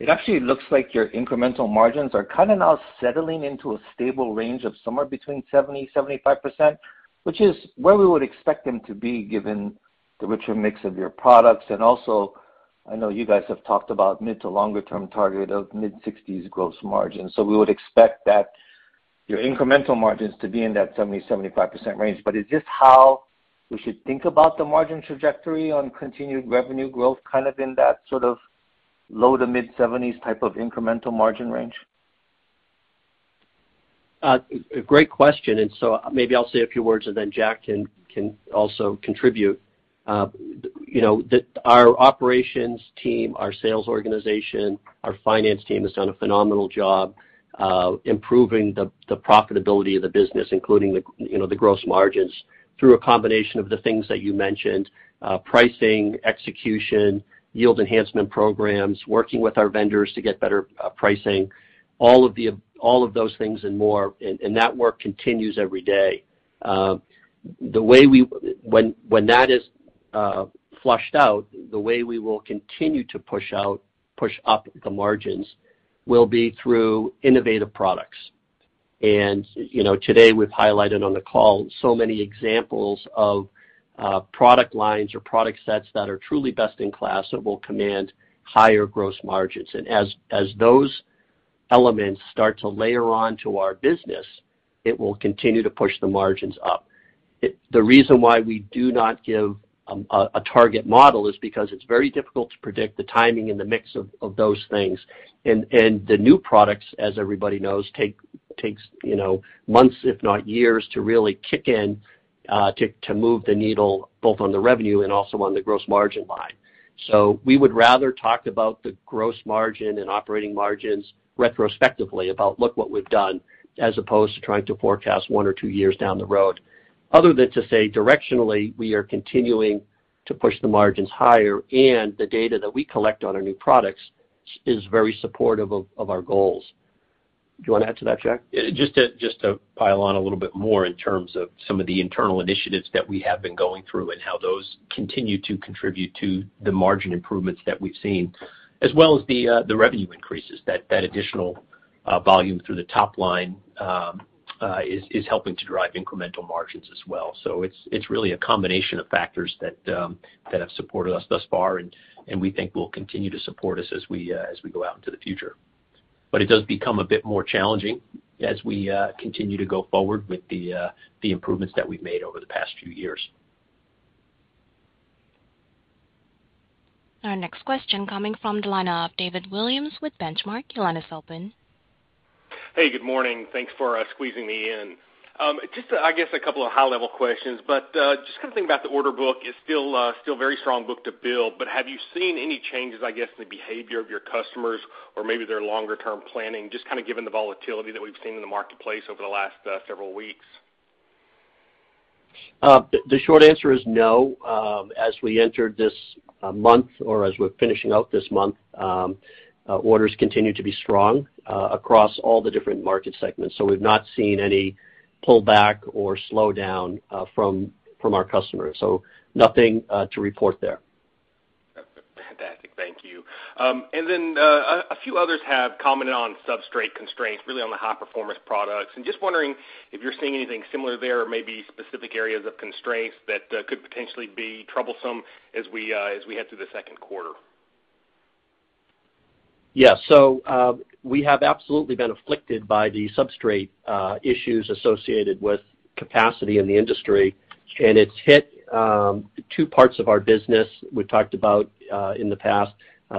It actually looks like your incremental margins are kindof now settling into a stable range of somewhere between 70%-75%, which is where we would expect them to be given the richer mix of your products. I know you guys have talked about mid- to long-term target of mid-60s gross margin. We would expect that your incremental margins to be in that 70%-75% range. Is this how we should think about the margin trajectory on continued revenue growth, kind of in that sort of low- to mid-70s type of incremental margin range? A great question. Maybe I'll say a few words, and then Jack can also contribute. You know, our operations team, our sales organization, our finance team has done a phenomenal job improving the profitability of the business, including, you know, the gross margins through a combination of the things that you mentioned, pricing, execution, yield enhancement programs, working with our vendors to get better pricing, all of those things and more, and that work continues every day. When that is fleshed out, the way we will continue to push up the margins will be through innovative products. you know, today we've highlighted on the call so many examples of product lines or product sets that are truly best in class that will command higher gross margins. As those elements start to layer on to our business, it will continue to push the margins up. The reason why we do not give a target model is because it's very difficult to predict the timing and the mix of those things. The new products, as everybody knows, take you know, months if not years to really kick in, to move the needle both on the revenue and also on the gross margin line. We would rather talk about the gross margin and operating margins retrospectively about look what we've done, as opposed to trying to forecast one or two years down the road. Other than to say directionally, we are continuing to push the margins higher, and the data that we collect on our new products is very supportive of our goals. Do you wanna add to that, Jack? Just to pile on a little bit more in terms of some of the internal initiatives that we have been going through and how those continue to contribute to the margin improvements that we've seen, as well as the revenue increases. That additional volume through the top line is helping to drive incremental margins as well. It's really a combination of factors that have supported us thus far, and we think will continue to support us as we go out into the future. It does become a bit more challenging as we continue to go forward with the improvements that we've made over the past few years. Our next question coming from the line of David Williams with Benchmark. Your line is open. Hey, good morning. Thanks for squeezing me in. Just, I guess a couple of high-level questions, but just kind of think about the order book is still very strong book-to-bill, but have you seen any changes, I guess, in the behavior of your customers or maybe their longer-term planning, just kind of given the volatility that we've seen in the marketplace over the last several weeks? The short answer is no. As we entered this month or as we're finishing out this month, orders continue to be strong across all the different market segments. We've not seen any pullback or slowdown from our customers. Nothing to report there. Fantastic. Thank you. A few others have commented on substrate constraints, really on the high-performance products. Just wondering if you're seeing anything similar there or maybe specific areas of constraints that could potentially be troublesome as we head through the Q2. Yeah. We have absolutely been afflicted by the substrate issues associated with capacity in the industry, and it's hit two parts of our business. We've talked about in the past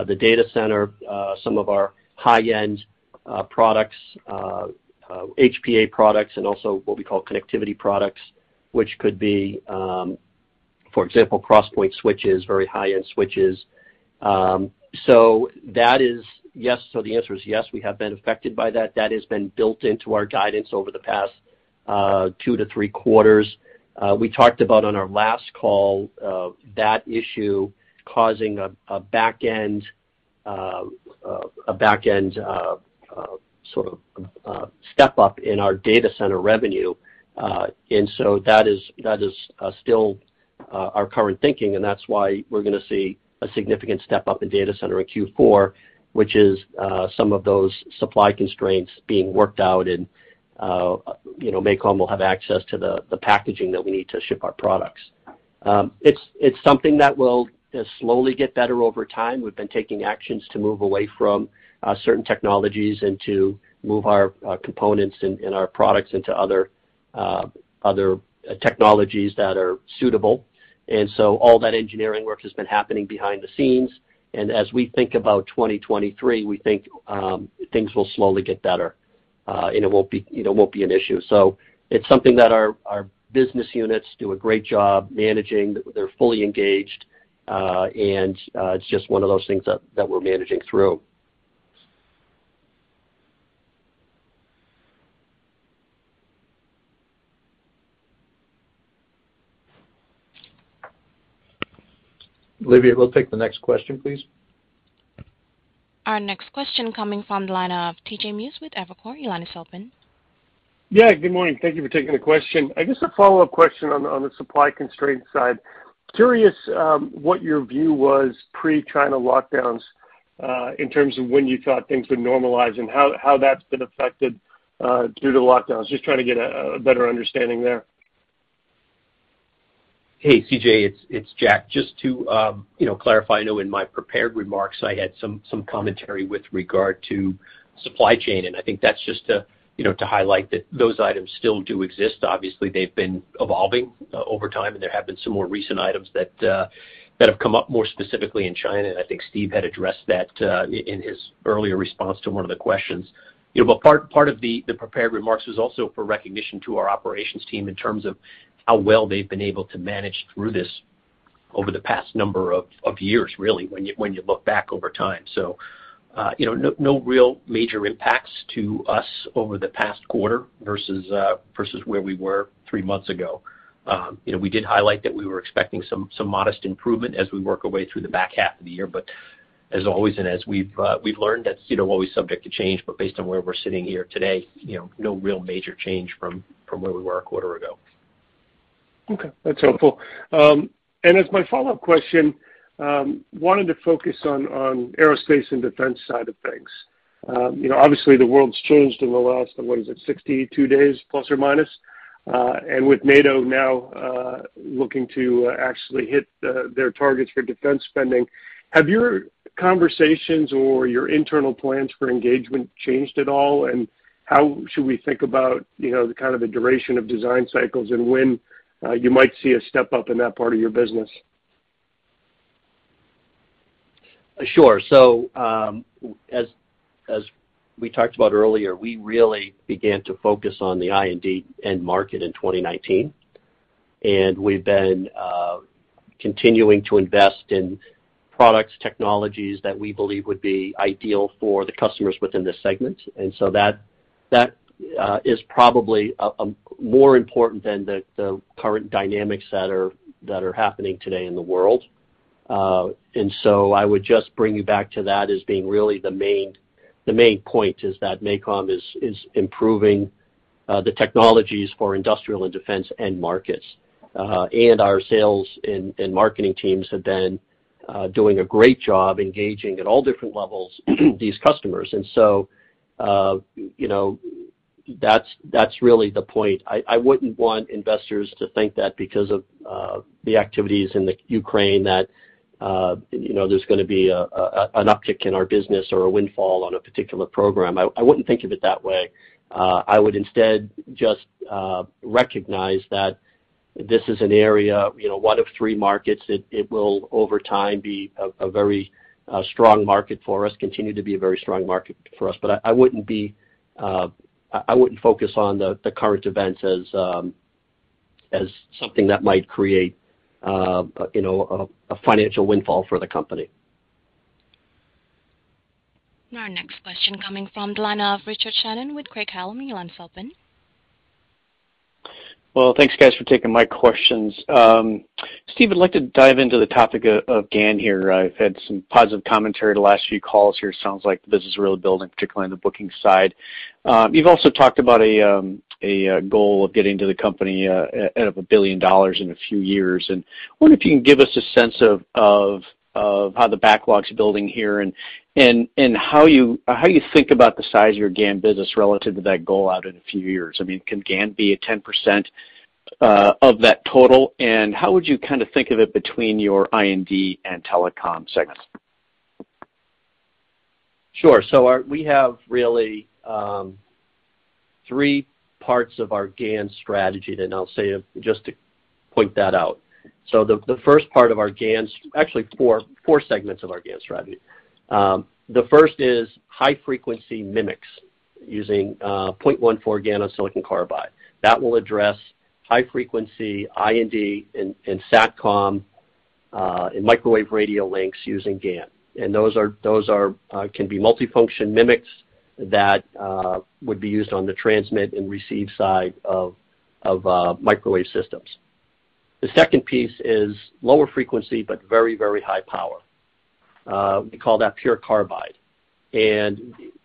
the data center, some of our high-end products, HPA products and also what we call connectivity products, which could be, for example, cross-point switches, very high-end switches. That is yes, the answer is yes, we have been affected by that. That has been built into our guidance over the past two to three quarters. We talked about on our last call that issue causing a back end sort of step-up in our data center revenue. That is our current thinking, and that's why we're gonna see a significant step-up in data center in Q4, which is some of those supply constraints being worked out and, you know, MACOM will have access to the packaging that we need to ship our products. It's something that will slowly get better over time. We've been taking actions to move away from certain technologies and to move our components and our products into other technologies that are suitable. All that engineering work has been happening behind the scenes. As we think about 2023, we think things will slowly get better and it won't be, you know, an issue. It's something that our business units do a great job managing. They're fully engaged, and it's just one of those things that we're managing through. Olivia, we'll take the next question, please. Our next question coming from the line of C.J. Muse with Evercore. Your line is open. Yeah, good morning. Thank you for taking the question. I guess a follow-up question on the supply constraint side. Curious what your view was pre-China lockdowns in terms of when you thought things would normalize and how that's been affected due to lockdowns. Just trying to get a better understanding there. Hey, CJ. It's Jack. Just to, you know, clarify. I know in my prepared remarks, I had some commentary with regard to supply chain, and I think that's just to, you know, to highlight that those items still do exist. Obviously, they've been evolving over time, and there have been some more recent items that have come up more specifically in China. I think Steve had addressed that in his earlier response to one of the questions. You know, but part of the prepared remarks was also for recognition to our operations team in terms of how well they've been able to manage through this over the past number of years, really, when you look back over time. You know, no real major impacts to us over the past quarter versus where we were three months ago. You know, we did highlight that we were expecting some modest improvement as we work our way through the back half of the year. As always and as we've learned, that's always subject to change, but based on where we're sitting here today, you know, no real major change from where we were a quarter ago. Okay. That's helpful. As my follow-up question, wanted to focus on aerospace and defense side of things. You know, obviously the world's changed in the last, what is it, 62 days plus or minus. With NATO now looking to actually hit their targets for defense spending, have your conversations or your internal plans for engagement changed at all? How should we think about, you know, the kind of duration of design cycles and when you might see a step-up in that part of your business? Sure. As we talked about earlier, we really began to focus on the I&D end market in 2019. We've been continuing to invest in products, technologies that we believe would be ideal for the customers within this segment. That is probably more important than the current dynamics that are happening today in the world. I would just bring you back to that as being really the main point is that MACOM is improving the technologies for industrial and defense end markets. Our sales and marketing teams have been doing a great job engaging at all different levels, these customers. You know, that's really the point. I wouldn't want investors to think that because of the activities in the Ukraine that you know there's gonna be an uptick in our business or a windfall on a particular program. I wouldn't think of it that way. I would instead just recognize that this is an area you know one of three markets. It will over time be a very strong market for us continue to be a very strong market for us. I wouldn't focus on the current events as something that might create you know a financial windfall for the company. Our next question coming from the line of Richard Shannon with Craig-Hallum. Your line's open. Well, thanks guys for taking my questions. Steve, I'd like to dive into the topic of GaN here. I've had some positive commentary the last few calls here. Sounds like the business is really building, particularly on the booking side. You've also talked about a goal of getting the company to $1 billion in a few years. I wonder if you can give us a sense of how the backlog's building here and how you think about the size of your GaN business relative to that goal out in a few years. I mean, can GaN be at 10% of that total? How would you kind of think of it between your I&D and telecom segments? Sure. We have really three parts of our GaN strategy that I'll say just to point that out. Actually four segments of our GaN strategy. The first is high-frequency MMICs using 0.14 GaN on SiC. That will address high frequency R&D and SATCOM and microwave radio links using GaN. Those can be multifunction MMICs that would be used on the transmit and receive side of microwave systems. The second piece is lower frequency, but very high power. We call that PURE CARBIDE.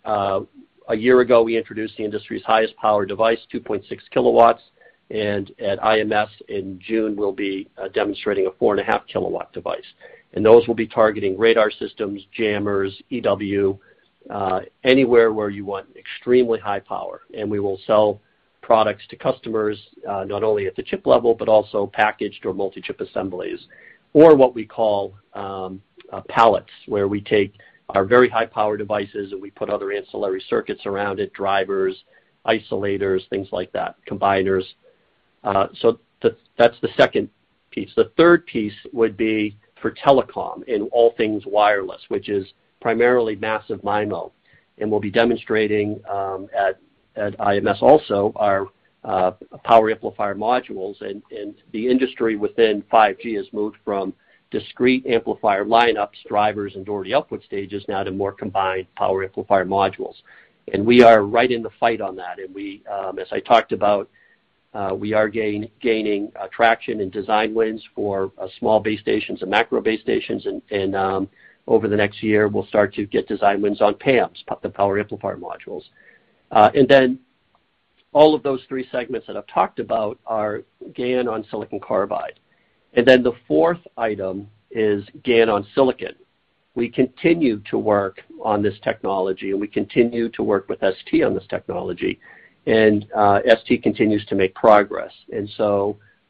A year ago, we introduced the industry's highest power device, 2.6 kilowatts. At IMS in June, we'll be demonstrating a 4.5-kilowatt device. Those will be targeting radar systems, jammers, EW, anywhere where you want extremely high power. We will sell products to customers, not only at the chip level, but also packaged or multi-chip assemblies or what we call pallets, where we take our very high power devices, and we put other ancillary circuits around it, drivers, isolators, things like that, combiners. That's the second piece. The third piece would be for telecom in all things wireless, which is primarily massive MIMO. We'll be demonstrating at IMS also our power amplifier modules. The industry within 5G has moved from discrete amplifier lineups, drivers, and Doherty output stages now to more combined power amplifier modules. We are right in the fight on that. We, as I talked about, we are gaining traction and design wins for small base stations and macro base stations. Over the next year, we'll start to get design wins on PAMs, the power amplifier modules. All of those three segments that I've talked about are GaN on silicon carbide. The fourth item is GaN on silicon. We continue to work on this technology, and we continue to work with ST on this technology. ST continues to make progress.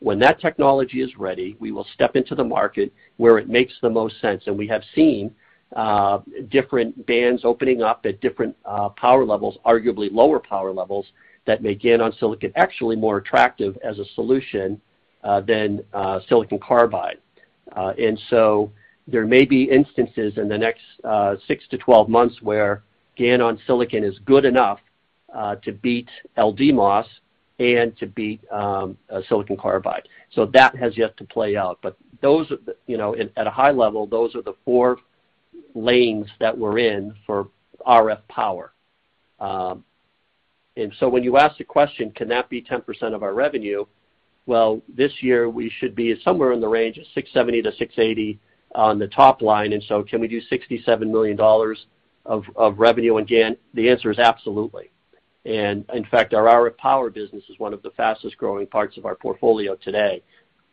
When that technology is ready, we will step into the market where it makes the most sense. We have seen different bands opening up at different power levels, arguably lower power levels, that make GaN on silicon actually more attractive as a solution than silicon carbide. There may be instances in the next 6-12 months where GaN on silicon is good enough to beat LDMOS and to beat silicon carbide. That has yet to play out. You know, at a high level, those are the four lanes that we're in for RF power. When you ask the question, can that be 10% of our revenue? Well, this year, we should be somewhere in the range of $670-$680 million on the top line. Can we do $67 million of revenue on GaN? The answer is absolutely. And in fact, our RF power business is one of the fastest-growing parts of our portfolio today,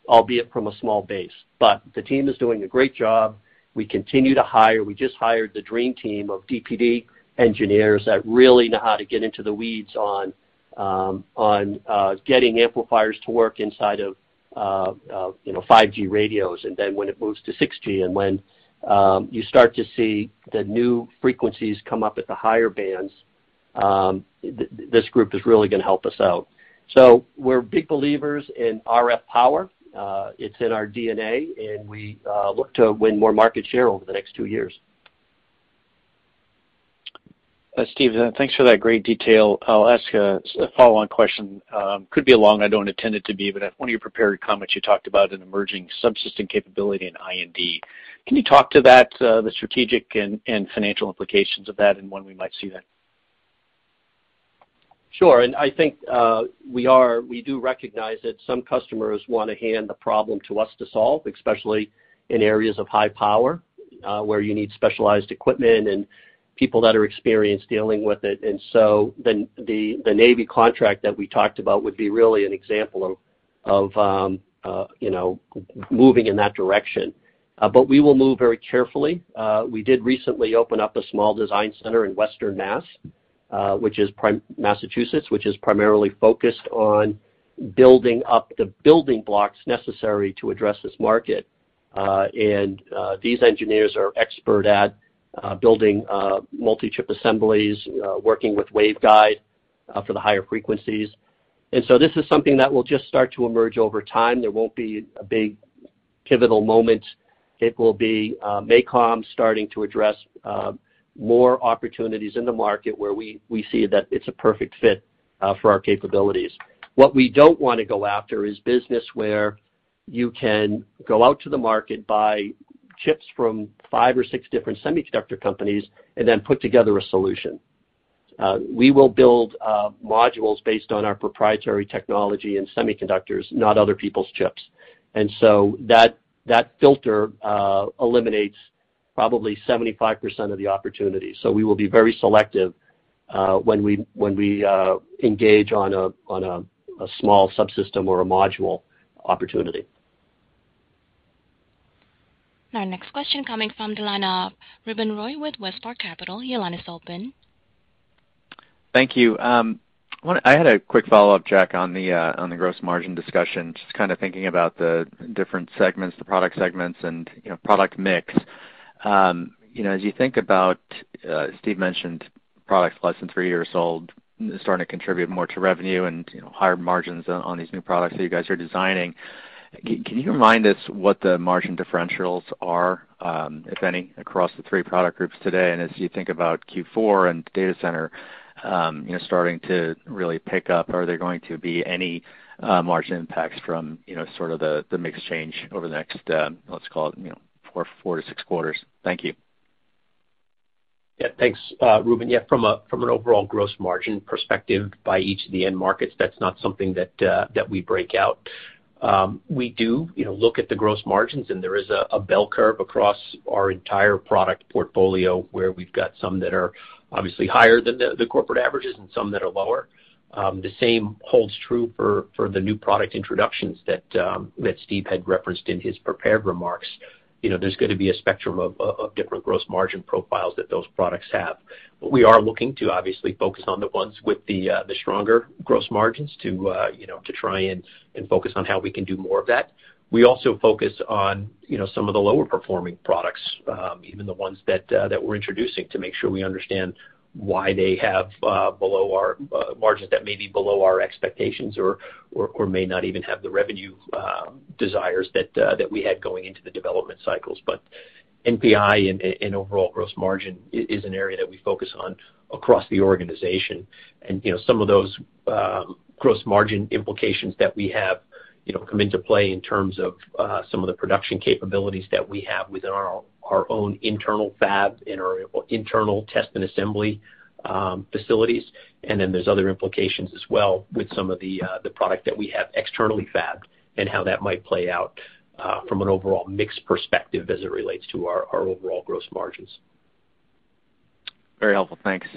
albeit from a small base. The team is doing a great job. We continue to hire. We just hired the dream team of DPD engineers that really know how to get into the weeds on getting amplifiers to work inside of, you know, 5G radios. Then when it moves to 6G and when you start to see the new frequencies come up at the higher bands. This group is really gonna help us out. We're big believers in RF power. It's in our DNA, and we look to win more market share over the next two years. Steve, thanks for that great detail. I'll ask a follow-on question. Could be long, I don't intend it to be, but in one of your prepared comments, you talked about an emerging subsystem capability in R&D. Can you talk to that, the strategic and financial implications of that and when we might see that? Sure. I think we do recognize that some customers wanna hand the problem to us to solve, especially in areas of high power, where you need specialized equipment and people that are experienced dealing with it. The Navy contract that we talked about would be really an example of moving in that direction. But we will move very carefully. We did recently open up a small design center in Western Massachusetts, which is primarily focused on building up the building blocks necessary to address this market. These engineers are expert at building multi-chip assemblies, working with waveguide, for the higher frequencies. This is something that will just start to emerge over time. There won't be a big pivotal moment. It will be MACOM starting to address more opportunities in the market where we see that it's a perfect fit for our capabilities. What we don't wanna go after is business where you can go out to the market, buy chips from five or six different semiconductor companies and then put together a solution. We will build modules based on our proprietary technology and semiconductors, not other people's chips. That filter eliminates probably 75% of the opportunities. We will be very selective when we engage on a small subsystem or a module opportunity. Our next question coming from the line of Ruben Roy with WestPark Capital. Your line is open. Thank you. I had a quick follow-up, Jack, on the gross margin discussion, just kind of thinking about the different segments, the product segments and, you know, product mix. You know, as you think about, Steve mentioned products less than 3 years old starting to contribute more to revenue and, you know, higher margins on these new products that you guys are designing, can you remind us what the margin differentials are, if any, across the three product groups today? As you think about Q4 and data center, you know, starting to really pick up, are there going to be any margin impacts from, you know, sort of the mix change over the next, let's call it, you know, 4-6 quarters? Thank you. Yeah. Thanks, Ruben. Yeah, from an overall gross margin perspective by each of the end markets, that's not something that we break out. We do, you know, look at the gross margins, and there is a bell curve across our entire product portfolio, where we've got some that are obviously higher than the corporate averages and some that are lower. The same holds true for the new product introductions that Steve had referenced in his prepared remarks. You know, there's gonna be a spectrum of different gross margin profiles that those products have. We are looking to obviously focus on the ones with the stronger gross margins to, you know, to try and focus on how we can do more of that. We also focus on, you know, some of the lower performing products, even the ones that we're introducing to make sure we understand why they have below our margins that may be below our expectations or may not even have the revenue desires that we had going into the development cycles. NPI and overall gross margin is an area that we focus on across the organization. You know, some of those gross margin implications that we have, you know, come into play in terms of some of the production capabilities that we have within our own internal fab, in our internal test and assembly facilities. There's other implications as well with some of the product that we have externally fabbed and how that might play out, from an overall mix perspective as it relates to our overall gross margins. Very helpful. Thanks.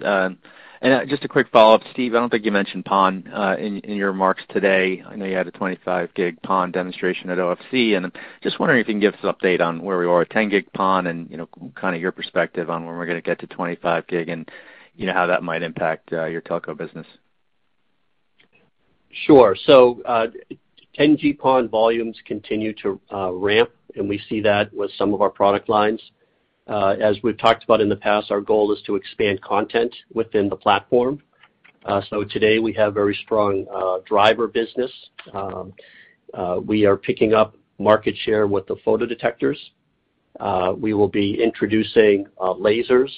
Just a quick follow-up, Steve. I don't think you mentioned PON in your remarks today. I know you had a 25 gig PON demonstration at OFC, and I'm just wondering if you can give us an update on where we are with 10 gig PON and, you know, kinda your perspective on when we're gonna get to 25 gig and, you know, how that might impact your telco business. Sure. 10G-PON volumes continue to ramp, and we see that with some of our product lines. As we've talked about in the past, our goal is to expand content within the platform. Today, we have very strong driver business. We are picking up market share with the photodetectors. We will be introducing lasers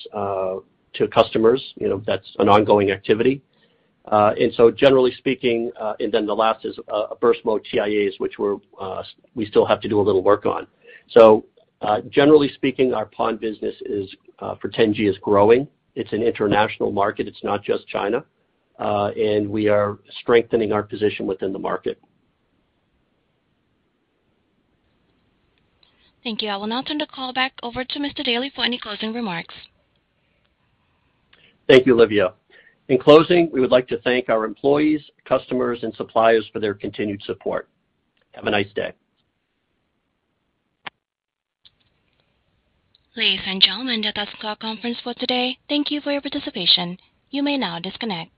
to customers. You know, that's an ongoing activity. Generally speaking, and then the last is burst mode TIAs, which we still have to do a little work on. Generally speaking, our PON business for 10G is growing. It's an international market, it's not just China. We are strengthening our position within the market. Thank you. I will now turn the call back over to Mr. Daly for any closing remarks. Thank you, Olivia. In closing, we would like to thank our employees, customers and suppliers for their continued support. Have a nice day. Ladies and gentlemen, that does conclude our conference for today. Thank you for your participation. You may now disconnect.